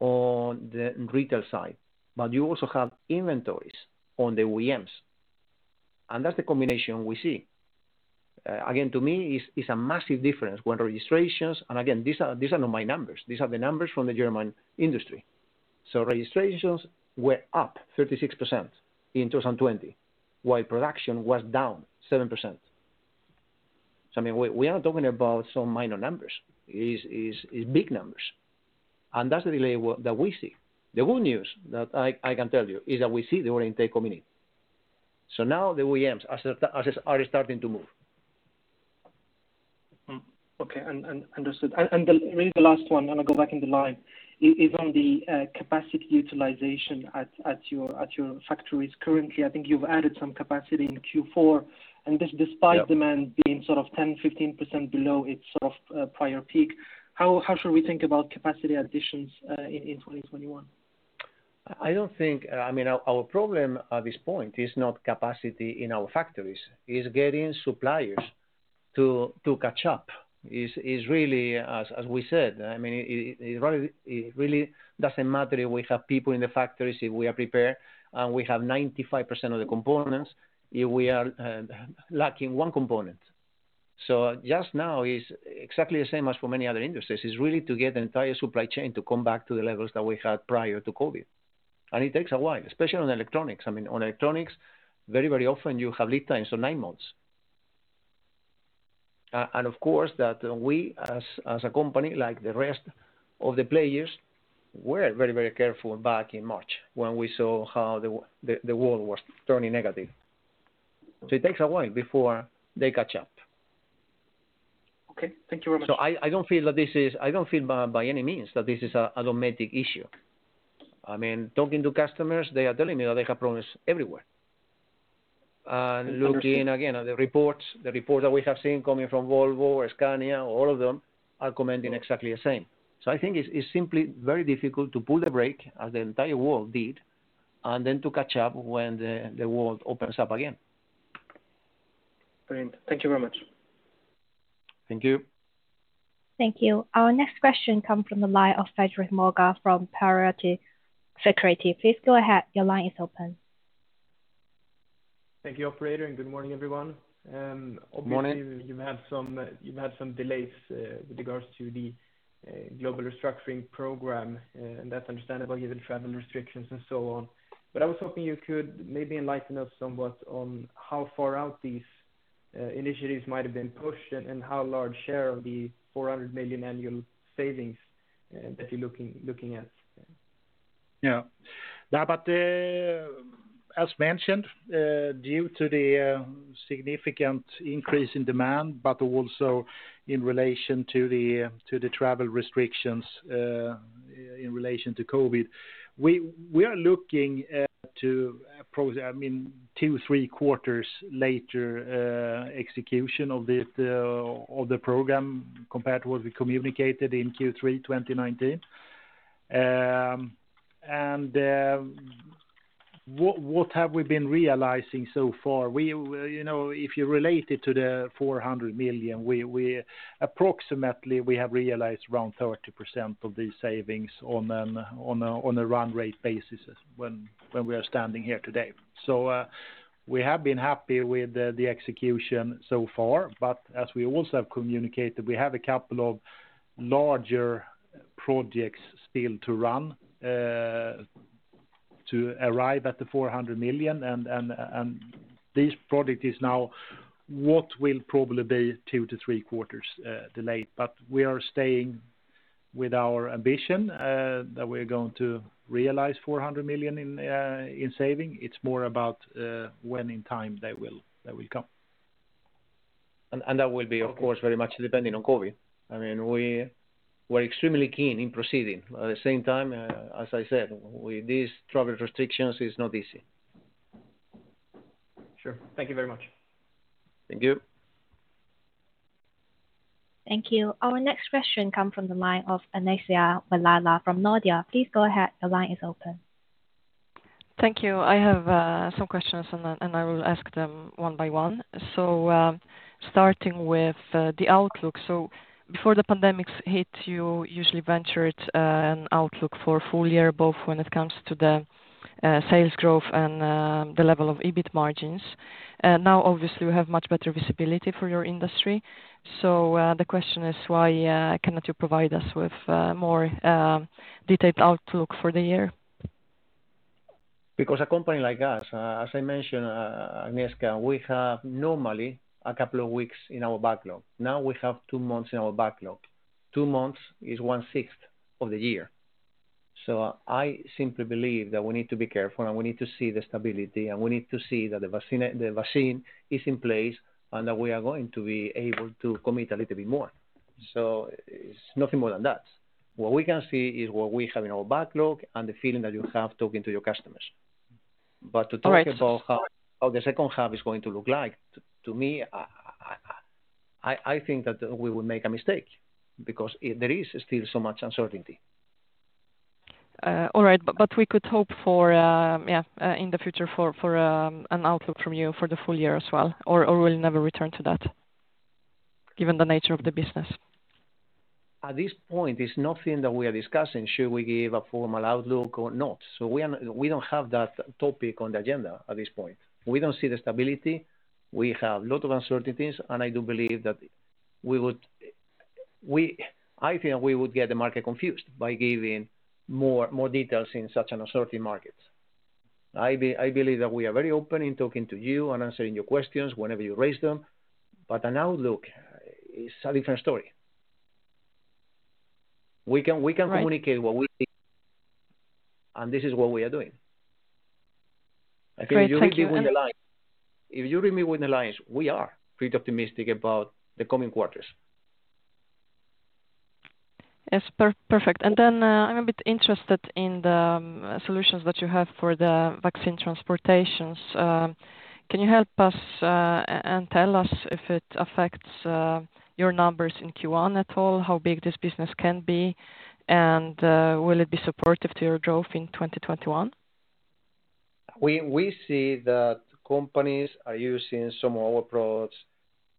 S2: on the retail side, but you also have inventories on the OEMs. That's the combination we see. Again, to me, it's a massive difference when registrations, again, these are not my numbers. These are the numbers from the German industry. Registrations were up 36% in 2020, while production was down 7%. We are not talking about some minor numbers. It's big numbers. That's the delay that we see. The good news that I can tell you is that we see the order intake coming in. Now the OEMs are starting to move.
S7: Okay. Understood. Maybe the last one, and I go back in the line, is on the capacity utilization at your factories currently. I think you've added some capacity in Q4, despite demand being 10%-15% below its prior peak, how should we think about capacity additions in 2021?
S2: Our problem at this point is not capacity in our factories, it's getting suppliers. To catch up is really, as we said, it really doesn't matter if we have people in the factories, if we are prepared, and we have 95% of the components, if we are lacking one component. Just now is exactly the same as for many other industries, is really to get the entire supply chain to come back to the levels that we had prior to COVID. It takes a while, especially on electronics. On electronics, very often you have lead times of nine months. Of course that we, as a company, like the rest of the players, were very careful back in March when we saw how the world was turning negative. It takes a while before they catch up.
S7: Okay. Thank you very much.
S2: I don't feel, by any means, that this is a Dometic issue. Talking to customers, they are telling me that they have problems everywhere.
S7: Understood.
S2: Looking, again, at the reports that we have seen coming from Volvo or Scania, all of them are commenting exactly the same. I think it's simply very difficult to pull the brake, as the entire world did, and then to catch up when the world opens up again.
S7: Brilliant. Thank you very much.
S2: Thank you.
S1: Thank you. Our next question come from the line of Fredrik Moregård from Pareto Securities. Please go ahead. Your line is open.
S8: Thank you, operator, and good morning, everyone.
S3: Good morning.
S8: Obviously, you've had some delays with regards to the global restructuring program, and that's understandable given travel restrictions and so on. I was hoping you could maybe enlighten us somewhat on how far out these initiatives might have been pushed and how large share of the 400 million annual savings that you're looking at.
S3: As mentioned, due to the significant increase in demand, but also in relation to the travel restrictions in relation to COVID, we are looking at two, three quarters later execution of the program compared to what we communicated in Q3 2019. What have we been realizing so far? If you relate it to the 400 million, approximately, we have realized around 30% of these savings on a run rate basis when we are standing here today. We have been happy with the execution so far. As we also have communicated, we have a couple of larger projects still to run to arrive at the 400 million. This project is now what will probably be two to three quarters delayed. We are staying with our ambition that we're going to realize 400 million in saving. It's more about when in time they will come. That will be, of course, very much depending on COVID. We're extremely keen in proceeding. At the same time, as I said, with these travel restrictions, it's not easy.
S8: Sure. Thank you very much.
S3: Thank you.
S1: Thank you. Our next question come from the line of Agnieszka Vilela from Nordea. Please go ahead. The line is open.
S9: Thank you. I have some questions. I will ask them one by one. Starting with the outlook. Before the pandemic hit, you usually ventured an outlook for full year, both when it comes to the sales growth and the level of EBIT margins. Now, obviously, we have much better visibility for your industry. The question is, why cannot you provide us with more detailed outlook for the year?
S2: A company like us, as I mentioned, Agnieszka, we have normally a couple of weeks in our backlog. Now we have two months in our backlog. Two months is one-sixth of the year. I simply believe that we need to be careful, and we need to see the stability, and we need to see that the vaccine is in place, and that we are going to be able to commit a little bit more. It's nothing more than that. What we can see is what we have in our backlog and the feeling that you have talking to your customers.
S9: All right.
S3: To talk about how the second half is going to look like, to me, I think that we would make a mistake because there is still so much uncertainty.
S9: All right. We could hope in the future for an outlook from you for the full year as well? We'll never return to that given the nature of the business?
S3: At this point, it's nothing that we are discussing. Should we give a formal outlook or not? We don't have that topic on the agenda at this point. We don't see the stability. We have a lot of uncertainties, and I think we would get the market confused by giving more details in such an uncertain market. I believe that we are very open in talking to you and answering your questions whenever you raise them. An outlook is a different story.
S9: Right
S3: communicate what we think, and this is what we are doing.
S9: Great. Thank you.
S3: If you read between the lines, we are pretty optimistic about the coming quarters.
S9: Yes. Perfect. I'm a bit interested in the solutions that you have for the vaccine transportations. Can you help us and tell us if it affects your numbers in Q1 at all? How big this business can be, and will it be supportive to your growth in 2021?
S2: We see that companies are using some of our products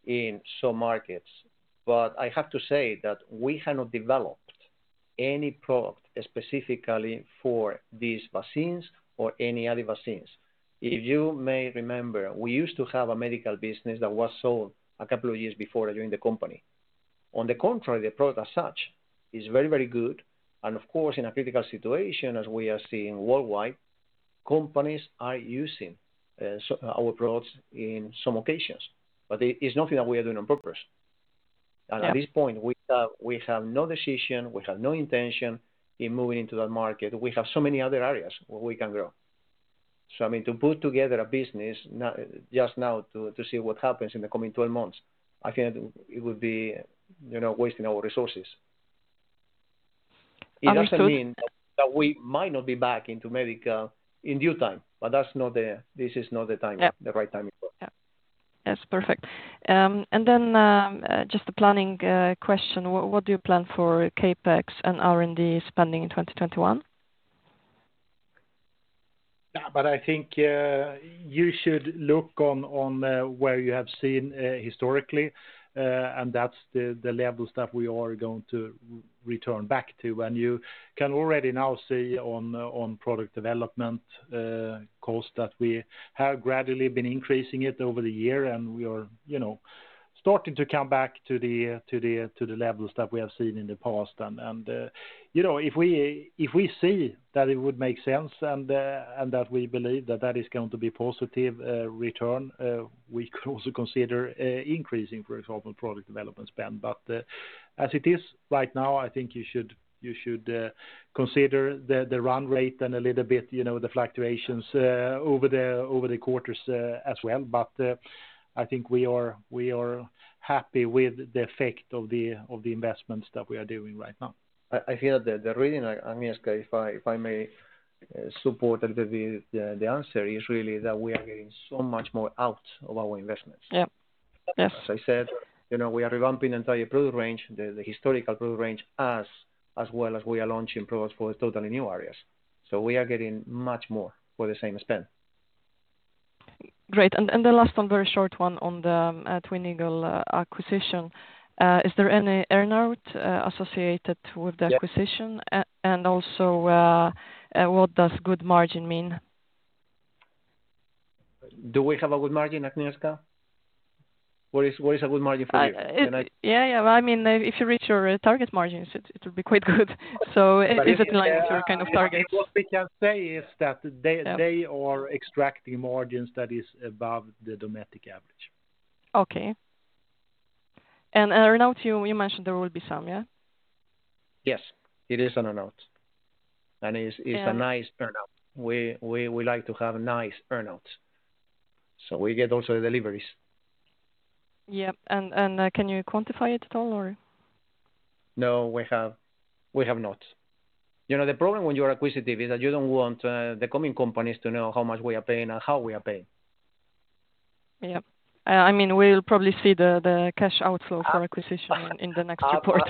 S2: in some markets, but I have to say that we have not developed any product specifically for these vaccines or any other vaccines. If you may remember, we used to have a medical business that was sold a couple of years before I joined the company. On the contrary, the product as such is very, very good, and of course, in a critical situation as we are seeing worldwide, companies are using our products in some occasions, but it's nothing that we are doing on purpose.
S9: Yeah.
S2: At this point, we have no decision, we have no intention in moving into that market. We have so many other areas where we can grow. I mean, to put together a business just now to see what happens in the coming 12 months, I think it would be wasting our resources.
S9: Understood.
S2: It doesn't mean that we might not be back into medical in due time, but this is not the right time.
S9: Yeah. That's perfect. Just a planning question. What do you plan for CapEx and R&D spending in 2021?
S3: I think you should look on where you have seen historically, and that's the levels that we are going to return back to. You can already now see on product development cost that we have gradually been increasing it over the year, and we are starting to come back to the levels that we have seen in the past. If we see that it would make sense and that we believe that that is going to be positive return, we could also consider increasing, for example, product development spend. As it is right now, I think you should consider the run rate and a little bit the fluctuations over the quarters as well. I think we are happy with the effect of the investments that we are doing right now.
S2: I feel that the reason, Agnieszka, if I may support a little bit the answer, is really that we are getting so much more out of our investments.
S9: Yeah. Yes.
S2: As I said, we are revamping the entire product range, the historical product range, as well as we are launching products for totally new areas. We are getting much more for the same spend.
S9: Great. The last one, very short one on the Twin Eagles acquisition. Is there any earn-out associated with the acquisition?
S2: Yeah.
S9: Also, what does good margin mean?
S2: Do we have a good margin, Agnieszka? What is a good margin for you?
S9: Yeah. If you reach your target margins, it would be quite good. Is it in line with your kind of target?
S3: What we can say is that they are extracting margins that is above the Dometic average.
S9: Okay. Earn-out, you mentioned there will be some, yeah?
S2: Yes. It is an earn-out. It's a nice earn-out. We like to have nice earn-outs. We get also the deliveries.
S9: Yeah. Can you quantify it at all, or?
S2: No, we have not. The problem when you are acquisitive is that you don't want the coming companies to know how much we are paying and how we are paying.
S9: Yeah. We'll probably see the cash outflow for acquisition in the next report.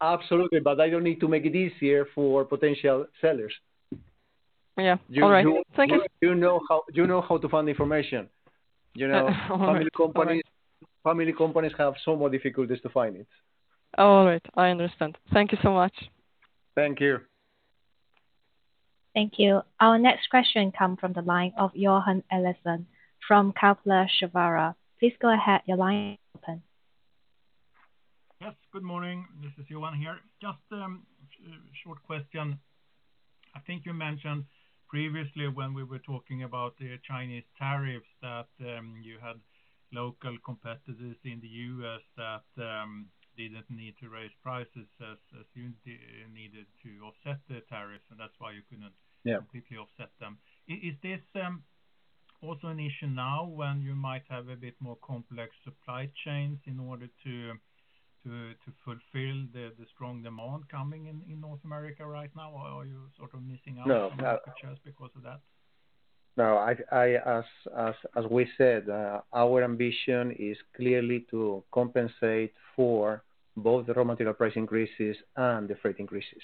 S2: Absolutely, but I don't need to make it easier for potential sellers.
S9: Yeah. All right. Thank you.
S2: You know how to find the information.
S9: All right.
S2: Family companies have so more difficulties to find it.
S9: All right. I understand. Thank you so much.
S3: Thank you.
S1: Thank you. Our next question come from the line of Johan Eliasson from Kepler Cheuvreux. Please go ahead, your line is open.
S10: Yes, good morning. This is Johan here. Just short question. I think you mentioned previously when we were talking about the Chinese tariffs that you had local competitors in the U.S. that didn't need to raise prices as you needed to offset the tariffs, and that's why you couldn't.
S2: Yeah
S10: completely offset them. Is this also an issue now when you might have a bit more complex supply chains in order to fulfill the strong demand coming in North America right now, or are you sort of missing out?
S2: No
S10: some opportunities because of that?
S2: As we said, our ambition is clearly to compensate for both the raw material price increases and the freight increases.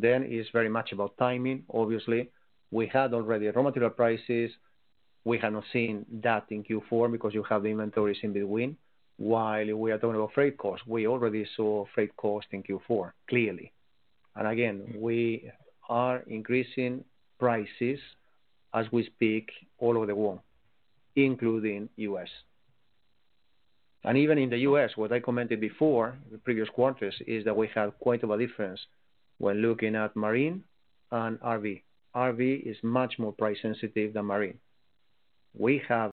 S2: It's very much about timing, obviously. We had already raw material prices. We have not seen that in Q4 because you have the inventories in between, while we are talking about freight cost, we already saw freight cost in Q4, clearly. Again, we are increasing prices as we speak all over the world, including U.S. Even in the U.S., what I commented before, the previous quarters, is that we have quite of a difference when looking at marine and RV. RV is much more price sensitive than marine. We have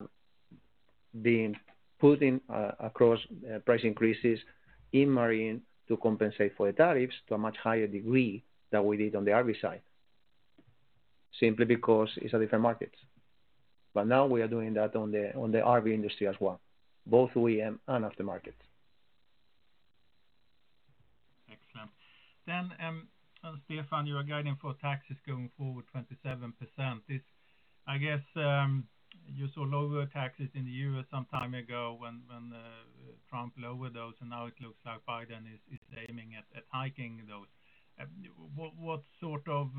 S2: been putting across price increases in marine to compensate for the tariffs to a much higher degree than we did on the RV side, simply because it's a different market. Now we are doing that on the RV industry as well, both OEM and aftermarket.
S10: Excellent. Stefan, your guiding for tax is going forward 27%. This. You saw lower taxes in the U.S. some time ago when Trump lowered those, and now it looks like Biden is aiming at hiking those. What sort of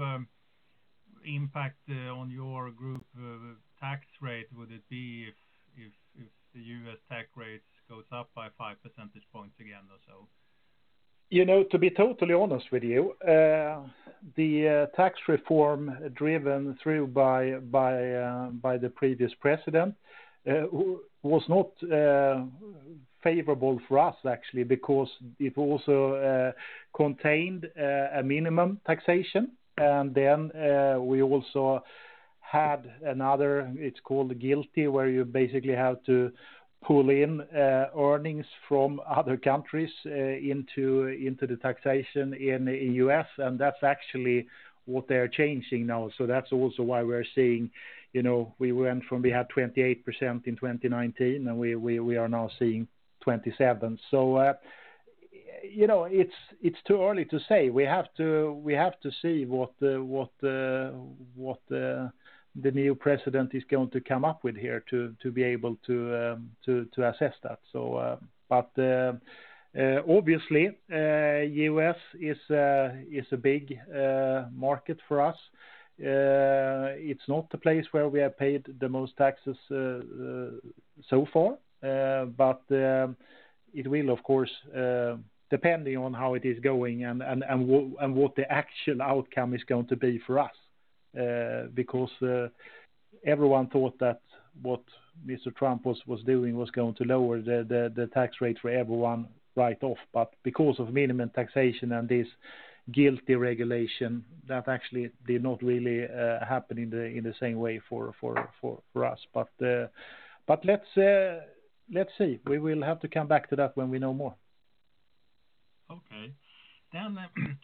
S10: impact on your group tax rate would it be if the U.S. tax rates goes up by 5 percentage points again or so?
S3: To be totally honest with you, the tax reform driven through by the previous president was not favorable for us actually, because it also contained a minimum taxation. We also had another, it's called the GILTI, where you basically have to pull in earnings from other countries into the taxation in U.S., and that's actually what they are changing now. That's also why we're seeing, we had 28% in 2019, we are now seeing 27%. It's too early to say. We have to see what the new president is going to come up with here to be able to assess that. Obviously, U.S. is a big market for us. It's not the place where we have paid the most taxes so far. It will, of course, depending on how it is going and what the actual outcome is going to be for us. Everyone thought that what Mr. Trump was doing was going to lower the tax rate for everyone right off. Because of minimum taxation and this GILTI regulation, that actually did not really happen in the same way for us. Let's see. We will have to come back to that when we know more.
S10: Okay.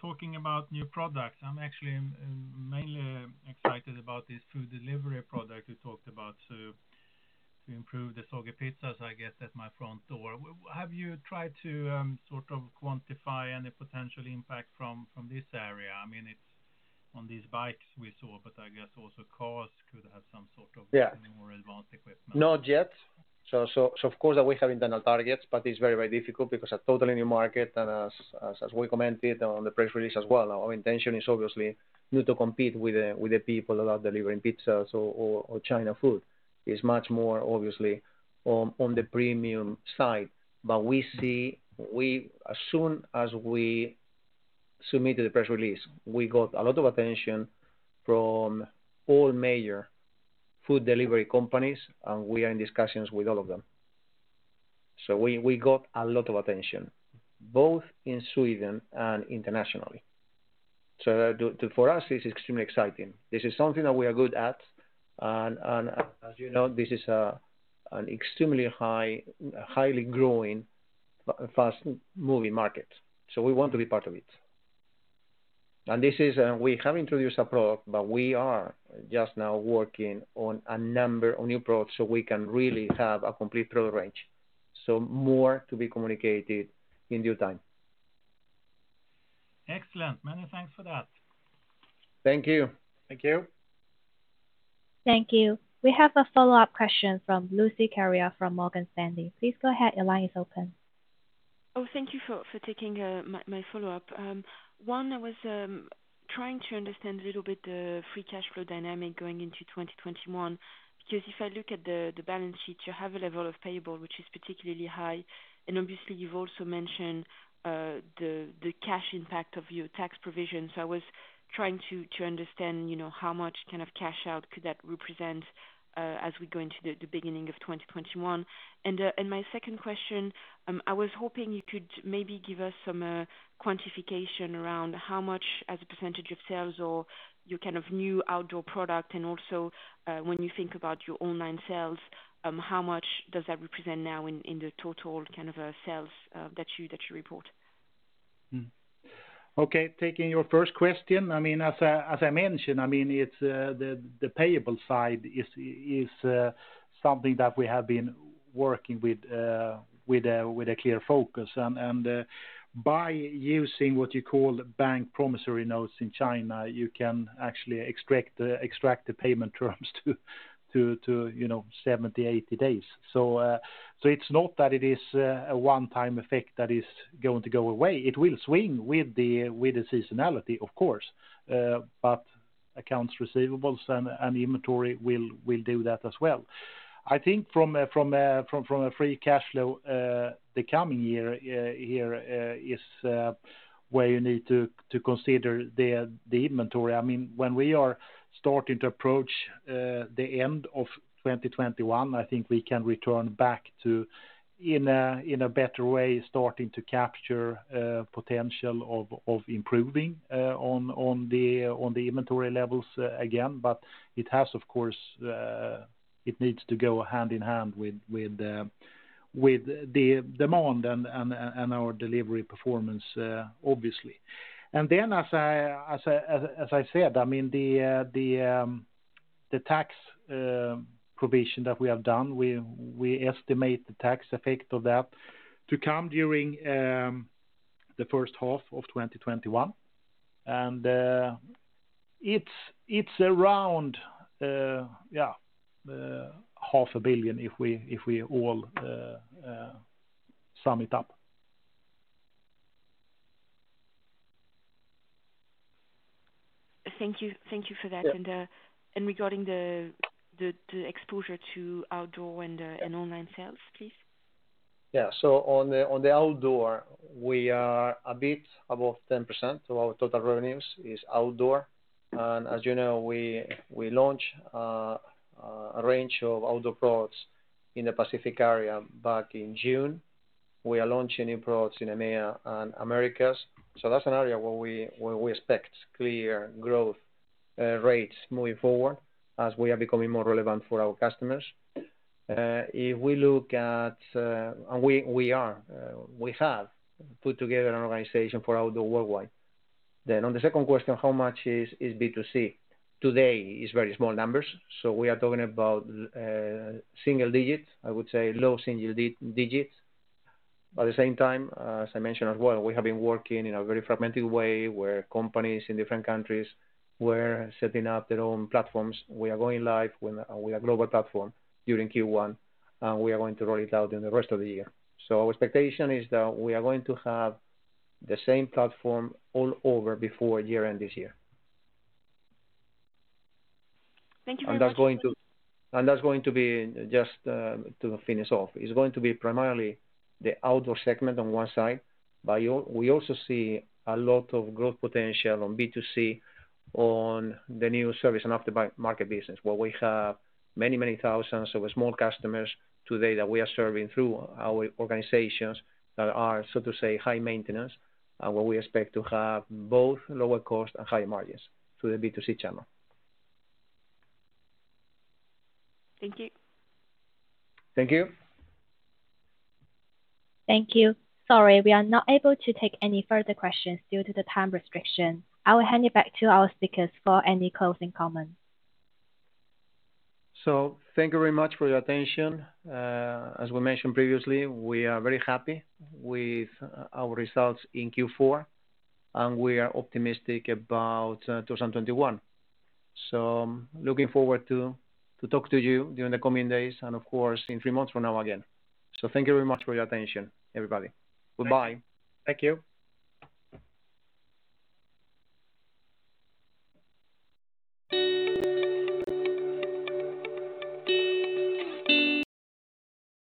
S10: Talking about new products. I'm actually mainly excited about this food delivery product you talked about to improve the soggy pizzas, I guess, at my front door. Have you tried to quantify any potential impact from this area? It's on these bikes we saw, but I guess also cars could have some sort of-
S2: Yeah
S10: more advanced equipment.
S2: Not yet. Of course, we have internal targets, but it's very difficult because a totally new market. As we commented on the press release as well, our intention is obviously not to compete with the people that are delivering pizzas or China food. It's much more obviously on the premium side. As soon as we submitted the press release, we got a lot of attention from all major food delivery companies, and we are in discussions with all of them. We got a lot of attention, both in Sweden and internationally. For us, it's extremely exciting. This is something that we are good at. As you know, this is an extremely highly growing, fast-moving market, so we want to be part of it. We have introduced a product, but we are just now working on a number of new products so we can really have a complete product range. More to be communicated in due time.
S10: Excellent. Many thanks for that.
S2: Thank you.
S3: Thank you.
S1: Thank you. We have a follow-up question from Lucie Carrier from Morgan Stanley. Please go ahead.
S6: Oh, thank you for taking my follow-up. One, I was trying to understand a little bit the free cash flow dynamic going into 2021. Because if I look at the balance sheet, you have a level of payable, which is particularly high. Obviously you've also mentioned the cash impact of your tax provision. I was trying to understand how much cash out could that represent as we go into the beginning of 2021. My second question, I was hoping you could maybe give us some quantification around how much as a percentage of sales or your new outdoor product and also when you think about your online sales, how much does that represent now in the total sales that you report?
S3: Okay. Taking your first question, as I mentioned, the payable side is something that we have been working with a clear focus. By using what you call bank promissory notes in China, you can actually extract the payment terms to 70, 80 days. It's not that it is a one-time effect that is going to go away. It will swing with the seasonality, of course, but accounts receivables and inventory will do that as well. I think from a free cash flow, the coming year here is where you need to consider the inventory. When we are starting to approach the end of 2021, I think we can return back to, in a better way, starting to capture potential of improving on the inventory levels again. It needs to go hand in hand with the demand and our delivery performance, obviously. As I said, the tax provision that we have done, we estimate the tax effect of that to come during the first half of 2021. It's around half a billion, if we all sum it up.
S6: Thank you for that.
S3: Yeah.
S6: Regarding the exposure to outdoor and online sales, please.
S2: Yeah. On the outdoor, we are a bit above 10%, so our total revenues is outdoor. As you know, we launched a range of outdoor products in the Pacific area back in June. We are launching new products in EMEA and Americas. That's an area where we expect clear growth rates moving forward as we are becoming more relevant for our customers. We have put together an organization for outdoor worldwide. On the second question, how much is B2C? Today is very small numbers. We are talking about single digits, I would say low single digits. At the same time, as I mentioned as well, we have been working in a very fragmented way where companies in different countries were setting up their own platforms. We are going live with a global platform during Q1, and we are going to roll it out in the rest of the year. Our expectation is that we are going to have the same platform all over before year-end this year.
S6: Thank you very much.
S2: That's going to be, just to finish off, is going to be primarily the outdoor segment on one side. We also see a lot of growth potential on B2C on the new service and after market business, where we have many thousands of small customers today that we are serving through our organizations that are, so to say, high maintenance, and where we expect to have both lower cost and higher margins through the B2C channel.
S6: Thank you.
S2: Thank you.
S1: Thank you. Sorry, we are not able to take any further questions due to the time restriction. I will hand you back to our speakers for any closing comments.
S2: Thank you very much for your attention. As we mentioned previously, we are very happy with our results in Q4, and we are optimistic about 2021. Looking forward to talk to you during the coming days, and of course, in three months from now again. Thank you very much for your attention, everybody. Goodbye.
S3: Thank you.